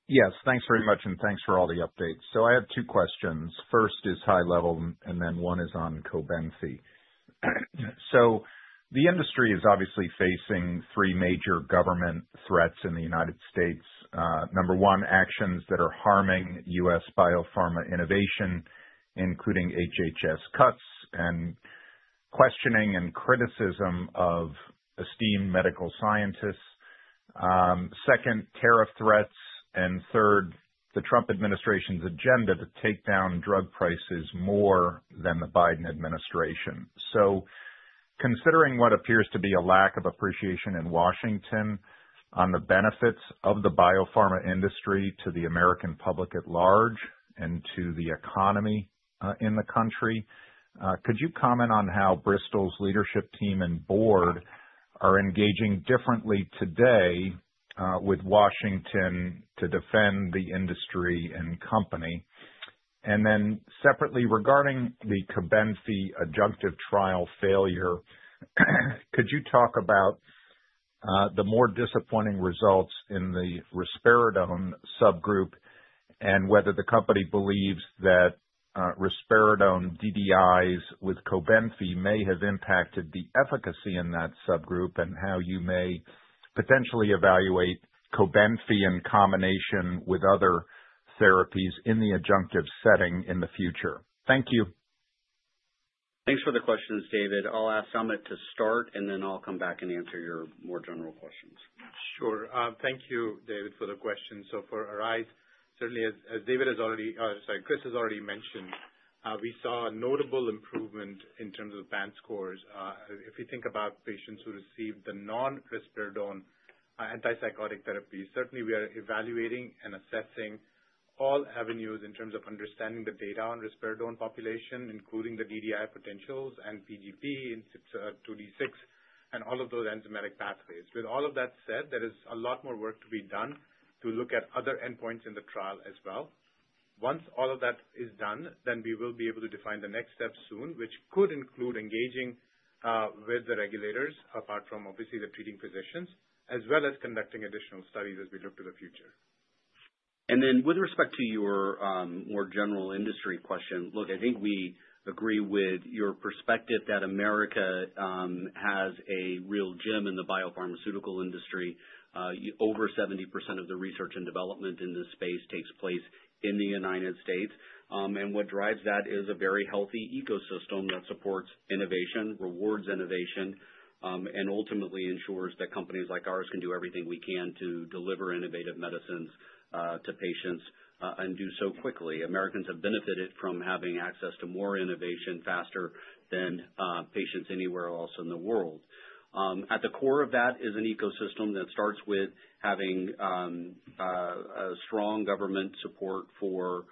Yes. Thanks very much, and thanks for all the updates. I have two questions. First is high level, and then one is on COBENFY. The industry is obviously facing three major government threats in the United States. Number one, actions that are harming U.S. biopharma innovation, including HHS cuts and questioning and criticism of esteemed medical scientists. Second, tariff threats. Third, the Trump administration's agenda to take down drug prices more than the Biden administration. Considering what appears to be a lack of appreciation in Washington on the benefits of the biopharma industry to the American public at large and to the economy in the country, could you comment on how Bristol's leadership team and board are engaging differently today with Washington to defend the industry and company? Regarding the COBENFY adjunctive trial failure, could you talk about the more disappointing results in the risperidone subgroup and whether the company believes that risperidone DDIs with COBENFY may have impacted the efficacy in that subgroup and how you may potentially evaluate COBENFY in combination with other therapies in the adjunctive setting in the future? Thank you. Thanks for the questions, David. I'll ask Samit to start, and then I'll come back and answer your more general questions. Thank you, David, for the question. For Arise, certainly, as David has already—sorry, Chris has already mentioned, we saw a notable improvement in terms of band scores. If we think about patients who received the non-risperidone antipsychotic therapies, certainly, we are evaluating and assessing all avenues in terms of understanding the data on risperidone population, including the DDI potentials and PGP in 2D6 and all of those enzymatic pathways. With all of that said, there is a lot more work to be done to look at other endpoints in the trial as well. Once all of that is done, we will be able to define the next step soon, which could include engaging with the regulators, apart from obviously the treating physicians, as well as conducting additional studies as we look to the future. With respect to your more general industry question, look, I think we agree with your perspective that America has a real gem in the biopharmaceutical industry. Over 70% of the research and development in this space takes place in the United States. What drives that is a very healthy ecosystem that supports innovation, rewards innovation, and ultimately ensures that companies like ours can do everything we can to deliver innovative medicines to patients and do so quickly. Americans have benefited from having access to more innovation faster than patients anywhere else in the world. At the core of that is an ecosystem that starts with having a strong government support for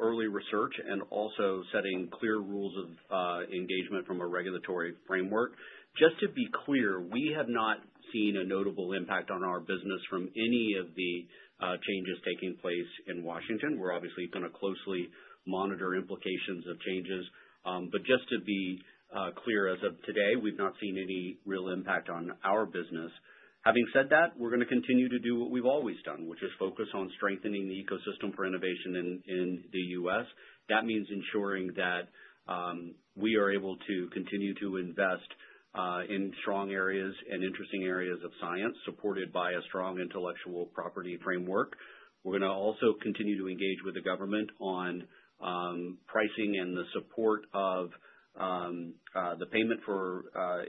early research and also setting clear rules of engagement from a regulatory framework. Just to be clear, we have not seen a notable impact on our business from any of the changes taking place in Washington. We're obviously going to closely monitor implications of changes. Just to be clear, as of today, we've not seen any real impact on our business. Having said that, we're going to continue to do what we've always done, which is focus on strengthening the ecosystem for innovation in the U.S.. That means ensuring that we are able to continue to invest in strong areas and interesting areas of science supported by a strong intellectual property framework. We're going to also continue to engage with the government on pricing and the support of the payment for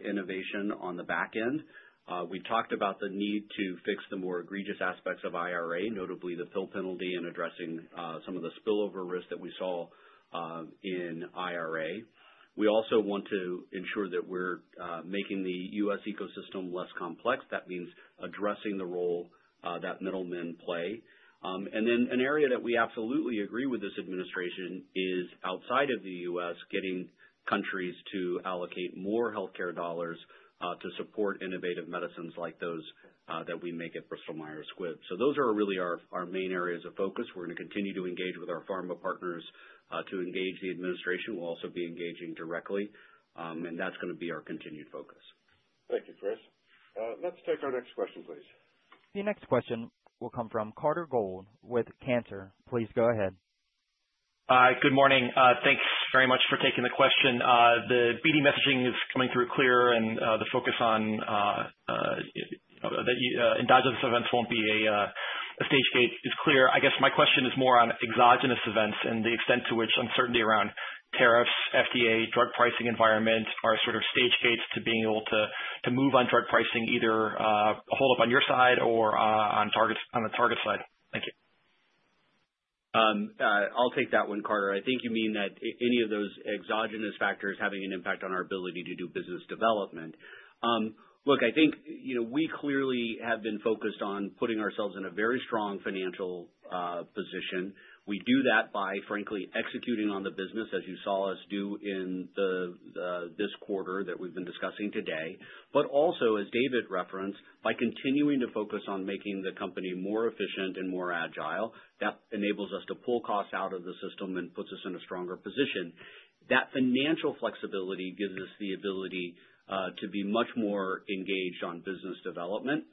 innovation on the back end. We've talked about the need to fix the more egregious aspects of IRA, notably the pill penalty and addressing some of the spillover risk that we saw in IRA. We also want to ensure that we're making the U.S. ecosystem less complex. That means addressing the role that middlemen play. An area that we absolutely agree with this administration is outside of the U.S., getting countries to allocate more healthcare dollars to support innovative medicines like those that we make at Bristol Myers Squibb. Those are really our main areas of focus. We're going to continue to engage with our pharma partners to engage the administration. We'll also be engaging directly. That's going to be our continued focus. Thank you, Chris. Let's take our next question, please. The next question will come from Carter Gould with Cantor. Please go ahead. Hi. Good morning. Thanks very much for taking the question. The BD messaging is coming through clear, and the focus on that endogenous events won't be a stage gate is clear. I guess my question is more on exogenous events and the extent to which uncertainty around tariffs, FDA, drug pricing environment are sort of stage gates to being able to move on drug pricing either a hold-up on your side or on the target side. Thank you. I'll take that one, Carter. I think you mean that any of those exogenous factors having an impact on our ability to do business development. Look, I think we clearly have been focused on putting ourselves in a very strong financial position. We do that by, frankly, executing on the business, as you saw us do in this quarter that we've been discussing today. Also, as David referenced, by continuing to focus on making the company more efficient and more agile, that enables us to pull costs out of the system and puts us in a stronger position. That financial flexibility gives us the ability to be much more engaged on business development.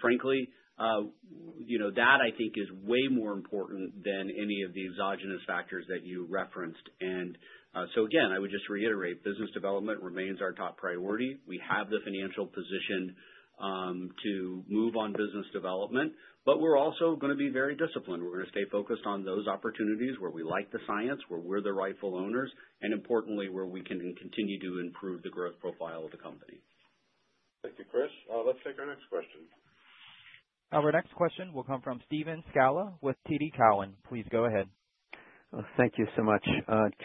Frankly, that, I think, is way more important than any of the exogenous factors that you referenced. Again, I would just reiterate, business development remains our top priority. We have the financial position to move on business development, but we're also going to be very disciplined. We're going to stay focused on those opportunities where we like the science, where we're the rightful owners, and importantly, where we can continue to improve the growth profile of the company. Thank you, Chris. Let's take our next question. Our next question will come from Steven Scala with TD Cowen. Please go ahead. Thank you so much.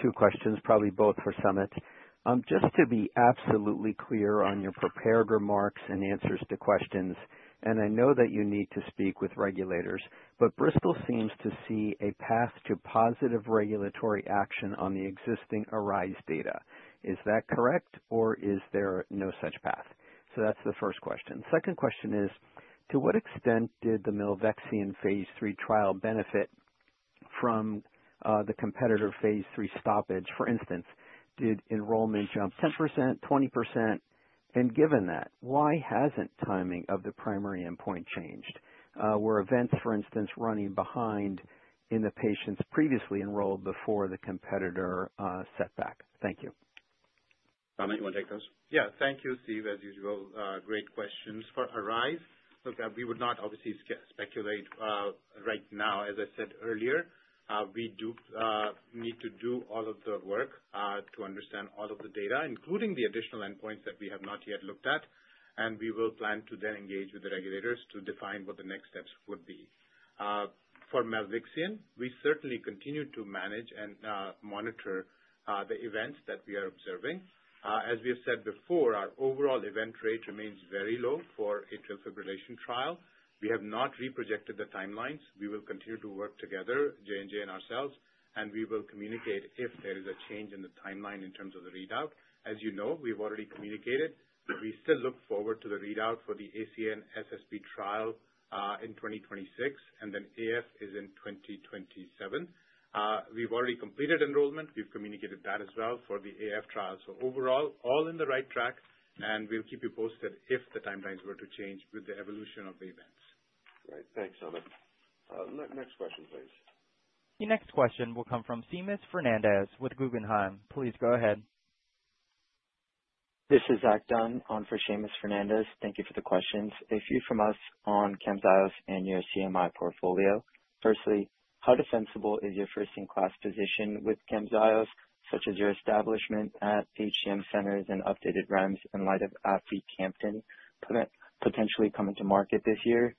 Two questions, probably both for Samit. Just to be absolutely clear on your prepared remarks and answers to questions, and I know that you need to speak with regulators, but Bristol seems to see a path to positive regulatory action on the existing ARISE data. Is that correct, or is there no such path? That is the first question. Second question is, to what extent did the Milvexian phase 3 trial benefit from the competitor phase 3 stoppage? For instance, did enrollment jump 10%, 20%? Given that, why has the timing of the primary endpoint not changed? Were events, for instance, running behind in the patients previously enrolled before the competitor setback? Thank you. Samit, you want to take those? Yeah. Thank you, Steven, as usual. Great questions for ARISE. Look, we would not obviously speculate right now. As I said earlier, we do need to do all of the work to understand all of the data, including the additional endpoints that we have not yet looked at. We will plan to then engage with the regulators to define what the next steps would be. For Milvexian, we certainly continue to manage and monitor the events that we are observing. As we have said before, our overall event rate remains very low for atrial fibrillation trial. We have not reprojected the timelines. We will continue to work together, J&J and ourselves, and we will communicate if there is a change in the timeline in terms of the readout. As you know, we've already communicated. We still look forward to the readout for the ACN SSP trial in 2026, and then AF is in 2027. We've already completed enrollment. We've communicated that as well for the AF trial. Overall, all in the right track, and we'll keep you posted if the timelines were to change with the evolution of the events. Great. Thanks, Samit. Next question, please. The next question will come from Seamus Fernandez with Guggenheim. Please go ahead. This is Zach Dunn on for Seamus Fernandez. Thank you for the questions. A few from us on CAMZYOS and your CMI portfolio. Firstly, how defensible is your first-in-class position with CAMZYOS, such as your establishment at HCM centers and updated REMS in light of aficamten potentially coming to market this year?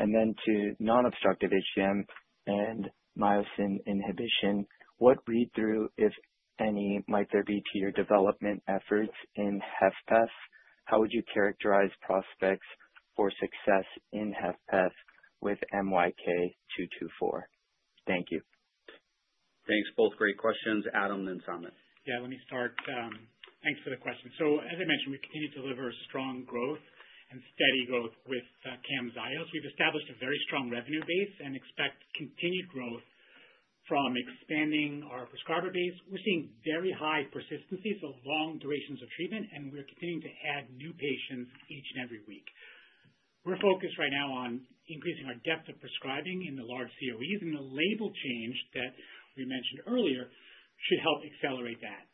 To non-obstructive HCM and myosin inhibition, what read-through, if any, might there be to your development efforts in HFpEF? How would you characterize prospects for success in HFpEF with MYK-224? Thank you. Thanks. Both great questions. Adam then Samit. Yeah. Let me start. Thanks for the question. As I mentioned, we continue to deliver strong growth and steady growth with CAMZYOS. We've established a very strong revenue base and expect continued growth from expanding our prescriber base. We're seeing very high persistencies, so long durations of treatment, and we're continuing to add new patients each and every week. We're focused right now on increasing our depth of prescribing in the large COEs, and the label change that we mentioned earlier should help accelerate that.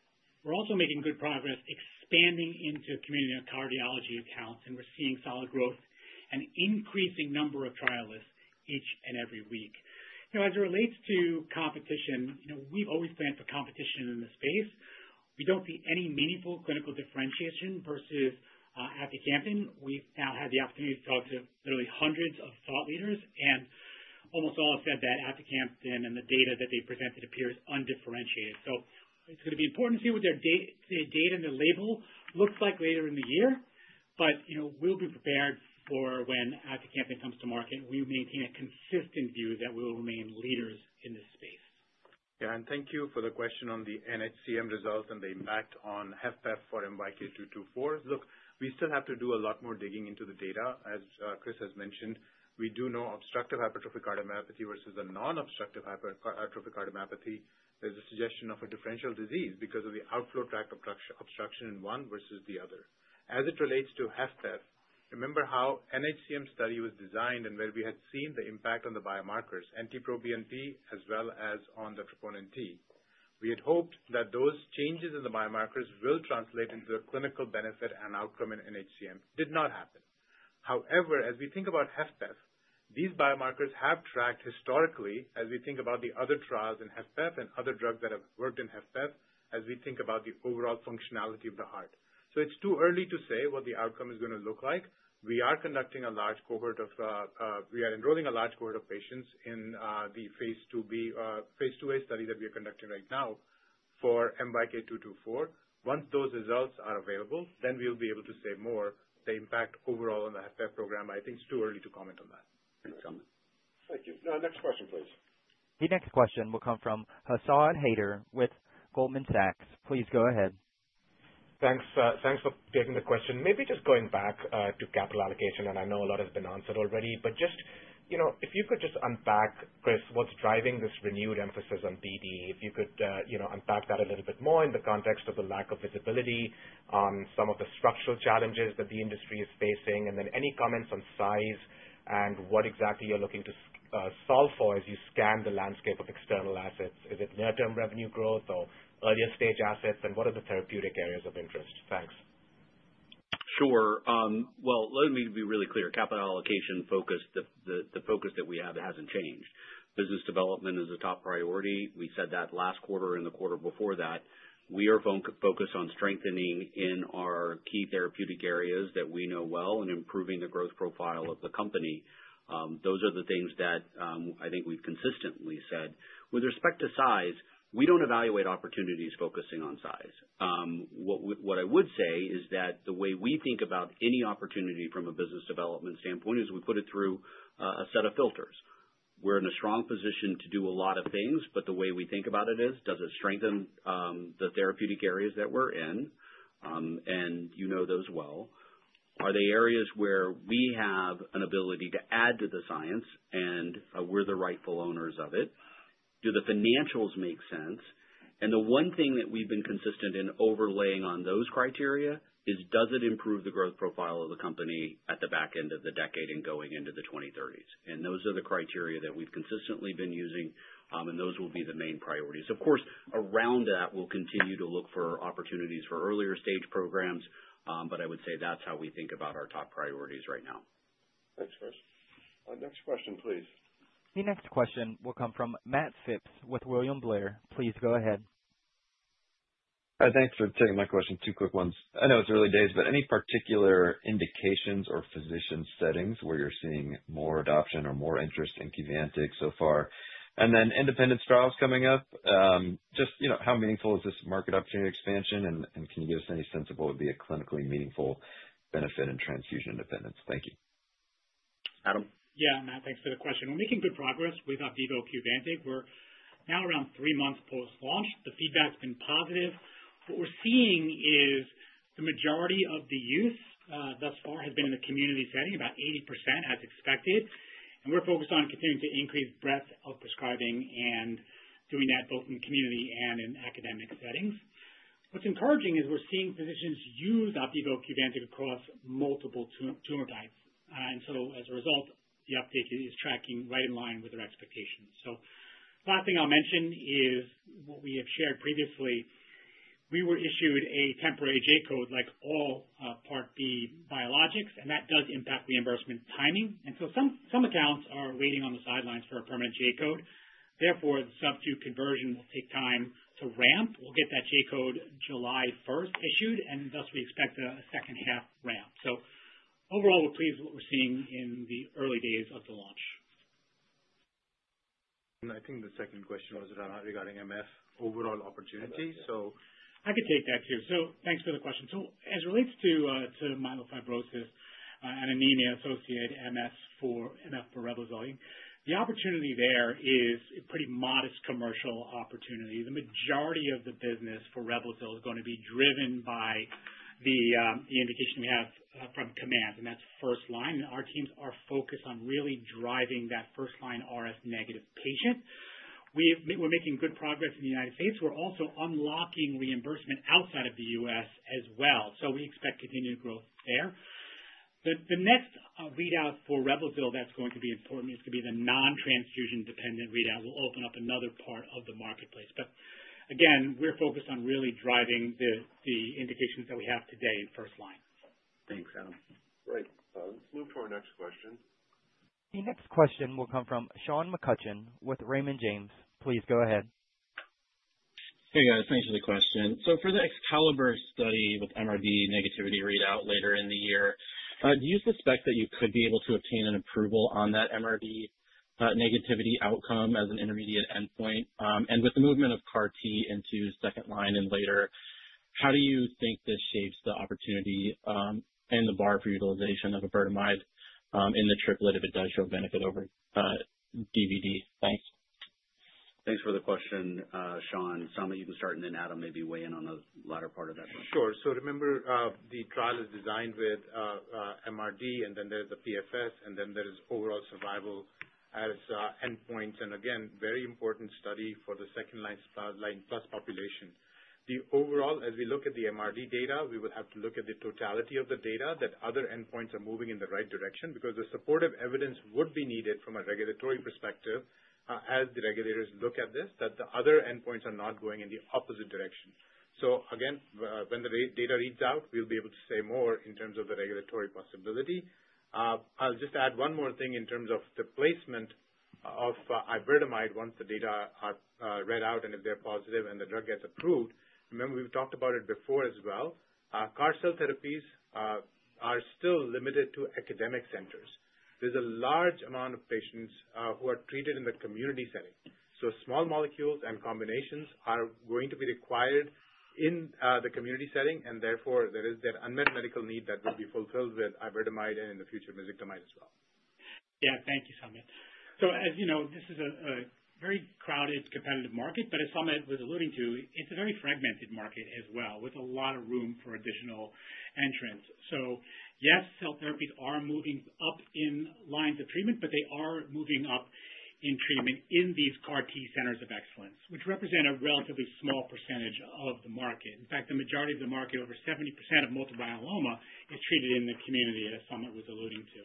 We're also making good progress expanding into community cardiology accounts, and we're seeing solid growth and increasing number of trialists each and every week. As it relates to competition, we've always planned for competition in the space. We don't see any meaningful clinical differentiation versus aficamten. We've now had the opportunity to talk to literally 100s of thought leaders, and almost all have said that aficamten and the data that they presented appears undifferentiated. It is going to be important to see what their data and their label looks like later in the year, but we'll be prepared for when aficamten comes to market. We maintain a consistent view that we will remain leaders in this space. Yeah. Thank you for the question on the NHCM result and the impact on HFpEF for MYK-224. Look, we still have to do a lot more digging into the data. As Chris has mentioned, we do know obstructive hypertrophic cardiomyopathy versus a non-obstructive hypertrophic cardiomyopathy is a suggestion of a differential disease because of the outflow tract obstruction in one versus the other. As it relates to HFpEF, remember how the NHCM study was designed and where we had seen the impact on the biomarkers, NT-proBNP as well as on the troponin T. We had hoped that those changes in the biomarkers will translate into a clinical benefit and outcome in NHCM. Did not happen. However, as we think about HFpEF, these biomarkers have tracked historically as we think about the other trials in HFpEF and other drugs that have worked in HFpEF as we think about the overall functionality of the heart. It's too early to say what the outcome is going to look like. We are enrolling a large cohort of patients in the phase 2A study that we are conducting right now for MYK-224. Once those results are available, then we'll be able to say more about the impact overall on the HFpEF program. I think it's too early to comment on that. Thanks, Samit. Thank you. Now, next question, please. The next question will come from Asad Haider with Goldman Sachs. Please go ahead. Thanks for taking the question. Maybe just going back to capital allocation, and I know a lot has been answered already, but just if you could just unpack, Chris, what's driving this renewed emphasis on BD, if you could unpack that a little bit more in the context of the lack of visibility on some of the structural challenges that the industry is facing, and then any comments on size and what exactly you're looking to solve for as you scan the landscape of external assets. Is it near-term revenue growth or earlier stage assets, and what are the therapeutic areas of interest? Thanks. Sure. Let me be really clear. Capital allocation focus, the focus that we have hasn't changed. Business development is a top priority. We said that last quarter and the quarter before that. We are focused on strengthening in our key therapeutic areas that we know well and improving the growth profile of the company. Those are the things that I think we've consistently said. With respect to size, we don't evaluate opportunities focusing on size. What I would say is that the way we think about any opportunity from a business development standpoint is we put it through a set of filters. We're in a strong position to do a lot of things, but the way we think about it is, does it strengthen the therapeutic areas that we're in? You know those well. Are they areas where we have an ability to add to the science, and we're the rightful owners of it? Do the financials make sense? The one thing that we've been consistent in overlaying on those criteria is, does it improve the growth profile of the company at the back end of the decade and going into the 2030s? Those are the criteria that we've consistently been using, and those will be the main priorities. Of course, around that, we'll continue to look for opportunities for earlier stage programs, but I would say that's how we think about our top priorities right now. Thanks, Chris. Next question, please. The next question will come from Matt Phipps with William Blair. Please go ahead. Thanks for taking my question. Two quick ones. I know it's early days, but any particular indications or physician settings where you're seeing more adoption or more interest in QVANTIG so far? Independence trials coming up. Just how meaningful is this market opportunity expansion, and can you give us any sense of what would be a clinically meaningful benefit in transfusion independence? Thank you. Adam. Yeah, Matt. Thanks for the question. We're making good progress with OPDIVO QVANTIG. We're now around three months post-launch. The feedback's been positive. What we're seeing is the majority of the use thus far has been in the community setting, about 80% as expected. We're focused on continuing to increase breadth of prescribing and doing that both in the community and in academic settings. What's encouraging is we're seeing physicians use OPDIVO QVANTIG across multiple tumor types. As a result, the uptake is tracking right in line with our expectations. Last thing I'll mention is what we have shared previously. We were issued a temporary J-code like all Part B biologics, and that does impact reimbursement timing. Some accounts are waiting on the sidelines for a permanent J-code. Therefore, the subQ conversion will take time to ramp. We'll get that J-code July 1st issued, and thus we expect a second-half ramp. Overall, we're pleased with what we're seeing in the early days of the launch. I think the second question was regarding MS overall opportunity. I could take that too. Thanks for the question. As it relates to myelofibrosis and anemia associated MDS for REBLOZYL, the opportunity there is a pretty modest commercial opportunity. The majority of the business for REBLOZYL is going to be driven by the indication we have from COMMANDS, and that's first line. Our teams are focused on really driving that first line RS negative patient. We're making good progress in the United States. We're also unlocking reimbursement outside of the U.S. as well. We expect continued growth there. The next readout for REBLOZYL that's going to be important is going to be the non-transfusion dependent readout. That will open up another part of the marketplace. Again, we're focused on really driving the indications that we have today in first line. Thanks, Adam. Great. Let's move to our next question. The next question will come from Sean McCutcheon with Raymond James. Please go ahead. Hey, guys. Thanks for the question. For the EXCALIBUR study with MRD negativity readout later in the year, do you suspect that you could be able to obtain an approval on that MRD negativity outcome as an intermediate endpoint? With the movement of CAR-T into second line and later, how do you think this shapes the opportunity and the bar for utilization of iberdomide in the triplet if it does show benefit over DVD? Thanks. Thanks for the question, Sean. Samit you can start, and then Adam maybe weigh in on the latter part of that question. Sure. Remember, the trial is designed with MRD, and then there's the PFS, and then there is overall survival as endpoints. Again, very important study for the second line plus population. As we look at the MRD data, we will have to look at the totality of the data that other endpoints are moving in the right direction because the supportive evidence would be needed from a regulatory perspective as the regulators look at this, that the other endpoints are not going in the opposite direction. Again, when the data reads out, we'll be able to say more in terms of the regulatory possibility. I'll just add one more thing in terms of the placement of iberdomide once the data are read out and if they're positive and the drug gets approved. Remember, we've talked about it before as well. CAR-T cell therapies are still limited to academic centers. There's a large amount of patients who are treated in the community setting. Small molecules and combinations are going to be required in the community setting, and therefore there is that unmet medical need that will be fulfilled with iberdomide and in the future mezigdomide as well. Yeah. Thank you, Samit. As you know, this is a very crowded competitive market, but as Samit was alluding to, it's a very fragmented market as well with a lot of room for additional entrants. Yes, cell therapies are moving up in lines of treatment, but they are moving up in treatment in these CAR-T centers of excellence, which represent a relatively small percentage of the market. In fact, the majority of the market, over 70% of multiple myeloma, is treated in the community as Samit was alluding to.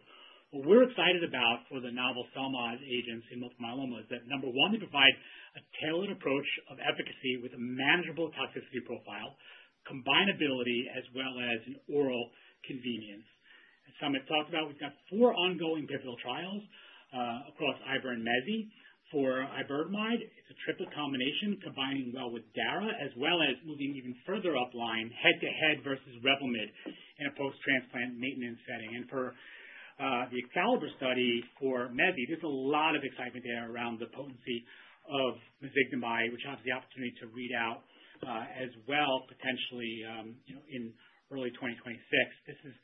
What we're excited about for the novel CELMoD agents in multiple myeloma is that, number one, they provide a tailored approach of efficacy with a manageable toxicity profile, combinability, as well as an oral convenience. As Samit talked about, we've got four ongoing pivotal trials across IBER and MEZI for iberdomide. It's a triplet combination combining well with DARA, as well as moving even further upline, head-to-head versus REVLIMID in a post-transplant maintenance setting. For the EXCALIBUR study for MEZI, there's a lot of excitement there around the potency of mezigdomide, which has the opportunity to read out as well potentially in early 2026. This is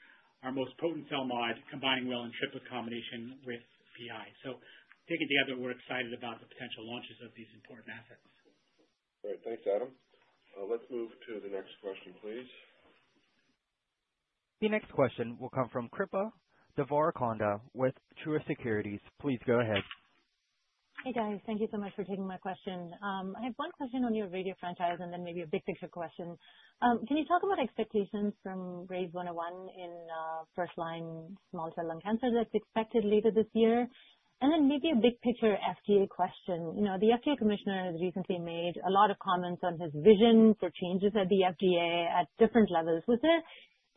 our most potent CELMoD combining well in triplet combination with PI. Taken together, we're excited about the potential launches of these important assets. Great. Thanks, Adam. Let's move to the next question, please. The next question will come from Kripa Devarakonda with Truist Securities. Please go ahead. Hey, guys. Thank you so much for taking my question. I have one question on your radio franchise and then maybe a big picture question. Can you talk about expectations from RYZ 101 in first line small cell lung cancer that's expected later this year? Maybe a big picture FDA question. The FDA commissioner has recently made a lot of comments on his vision for changes at the FDA at different levels. Was there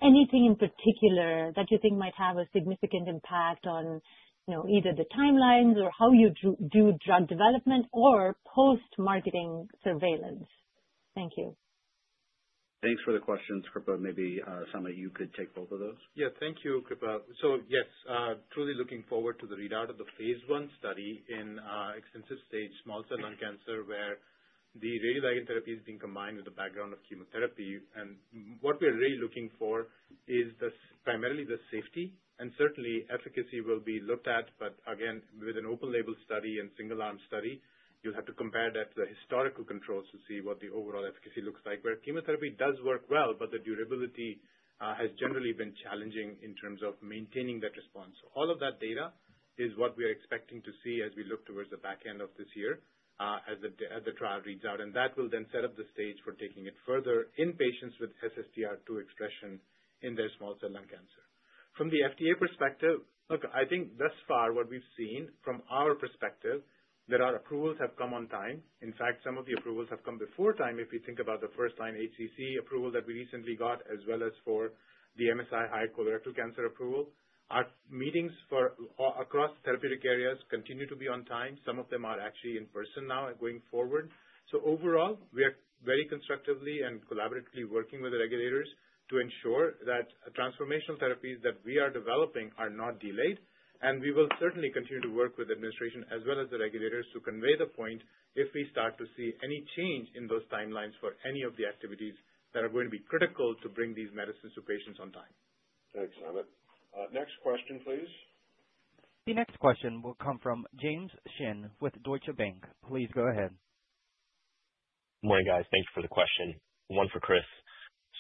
anything in particular that you think might have a significant impact on either the timelines or how you do drug development or post-marketing surveillance? Thank you. Thanks for the questions, Kripa. Maybe Samit, you could take both of those. Yeah. Thank you, Kripa. Yes, truly looking forward to the readout of the phase one study in extensive stage small cell lung cancer where the radioligand therapy is being combined with the background of chemotherapy. What we're really looking for is primarily the safety, and certainly efficacy will be looked at, but again, with an open-label study and single-arm study, you'll have to compare that to the historical controls to see what the overall efficacy looks like, where chemotherapy does work well, but the durability has generally been challenging in terms of maintaining that response. All of that data is what we are expecting to see as we look towards the back end of this year as the trial reads out, and that will then set up the stage for taking it further in patients with SSDR2 expression in their small cell lung cancer. From the FDA perspective, look, I think thus far what we've seen from our perspective, there are approvals that have come on time. In fact, some of the approvals have come before time if you think about the first line HCC approval that we recently got, as well as for the MSI high colorectal cancer approval. Our meetings across therapeutic areas continue to be on time. Some of them are actually in person now going forward. Overall, we are very constructively and collaboratively working with the regulators to ensure that transformational therapies that we are developing are not delayed, and we will certainly continue to work with the administration as well as the regulators to convey the point if we start to see any change in those timelines for any of the activities that are going to be critical to bring these medicines to patients on time. Thanks, Samit. Next question, please. The next question will come from James Shin with Deutsche Bank. Please go ahead. Good morning, guys. Thank you for the question. One for Chris.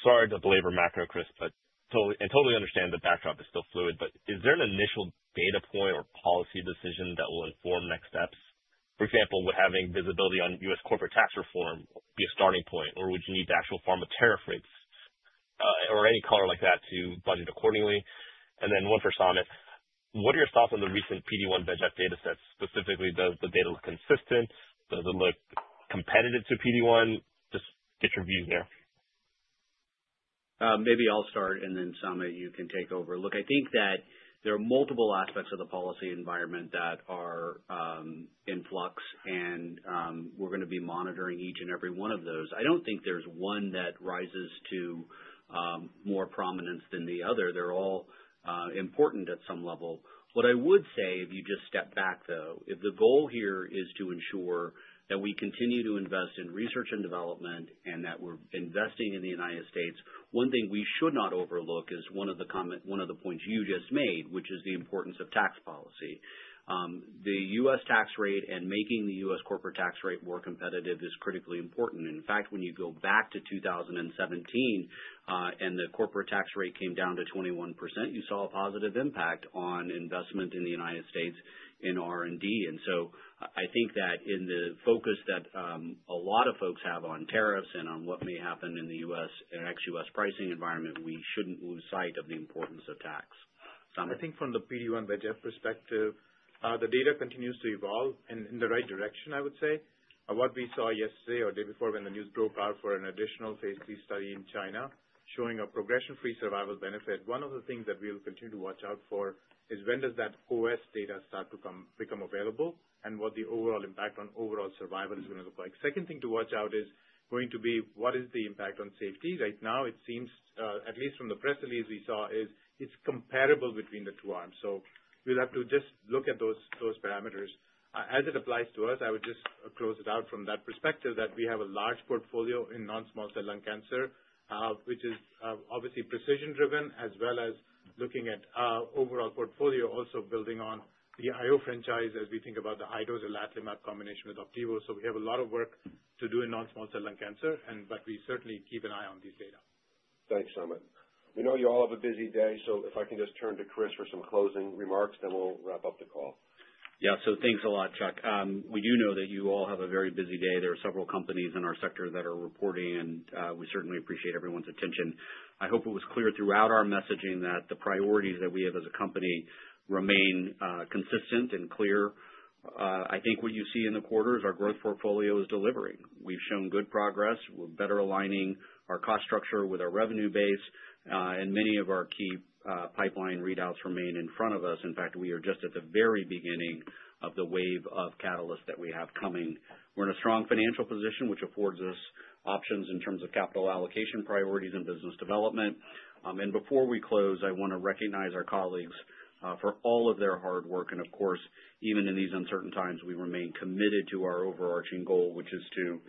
Sorry to belabor macro, Chris, and totally understand the backdrop is still fluid, but is there an initial data point or policy decision that will inform next steps? For example, would having visibility on U.S. corporate tax reform be a starting point, or would you need to actually form a tariff rate or any color like that to budget accordingly? One for Samit. What are your thoughts on the recent PD-1 VEGF data sets? Specifically, does the data look consistent? Does it look competitive to PD-1? Just get your views there. Maybe I'll start, and then Samit, you can take over. Look, I think that there are multiple aspects of the policy environment that are in flux, and we're going to be monitoring each and every one of those. I don't think there's one that rises to more prominence than the other. They're all important at some level. What I would say, if you just step back, though, if the goal here is to ensure that we continue to invest in research and development and that we're investing in the United States, one thing we should not overlook is one of the points you just made, which is the importance of tax policy. The U.S. tax rate and making the U.S. corporate tax rate more competitive is critically important. In fact, when you go back to 2017 and the corporate tax rate came down to 21%, you saw a positive impact on investment in the United States in R&D. I think that in the focus that a lot of folks have on tariffs and on what may happen in the U.S. and ex-U.S. pricing environment, we shouldn't lose sight of the importance of tax. I think from the PD-1 VEGF perspective, the data continues to evolve in the right direction, I would say. What we saw yesterday or the day before when the news broke out for an additional phase 3 study in China showing a progression-free survival benefit, one of the things that we'll continue to watch out for is when does that OS data start to become available and what the overall impact on overall survival is going to look like. Second thing to watch out is going to be what is the impact on safety? Right now, it seems, at least from the press release we saw, it's comparable between the two arms. We will have to just look at those parameters. As it applies to us, I would just close it out from that perspective that we have a large portfolio in non-small cell lung cancer, which is obviously precision-driven as well as looking at overall portfolio, also building on the IO franchise as we think about the high-dose or lat-limac combination with OPDIVO. We have a lot of work to do in non-small cell lung cancer, but we certainly keep an eye on these data. Thanks, Samit. We know you all have a busy day, so if I can just turn to Chris for some closing remarks, then we'll wrap up the call. Yeah. Thanks a lot, Chuck. We do know that you all have a very busy day. There are several companies in our sector that are reporting, and we certainly appreciate everyone's attention. I hope it was clear throughout our messaging that the priorities that we have as a company remain consistent and clear. I think what you see in the quarter is our growth portfolio is delivering. We've shown good progress. We're better aligning our cost structure with our revenue base, and many of our key pipeline readouts remain in front of us. In fact, we are just at the very beginning of the wave of catalysts that we have coming. We're in a strong financial position, which affords us options in terms of capital allocation priorities and business development. Before we close, I want to recognize our colleagues for all of their hard work. Of course, even in these uncertain times, we remain committed to our overarching goal, which is to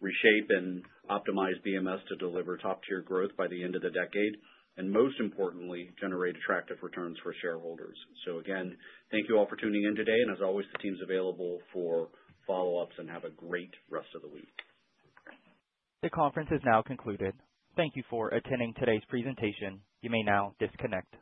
reshape and optimize BMS to deliver top-tier growth by the end of the decade, and most importantly, generate attractive returns for shareholders. Again, thank you all for tuning in today. As always, the team's available for follow-ups and have a great rest of the week. The conference is now concluded. Thank you for attending today's presentation. You may now disconnect.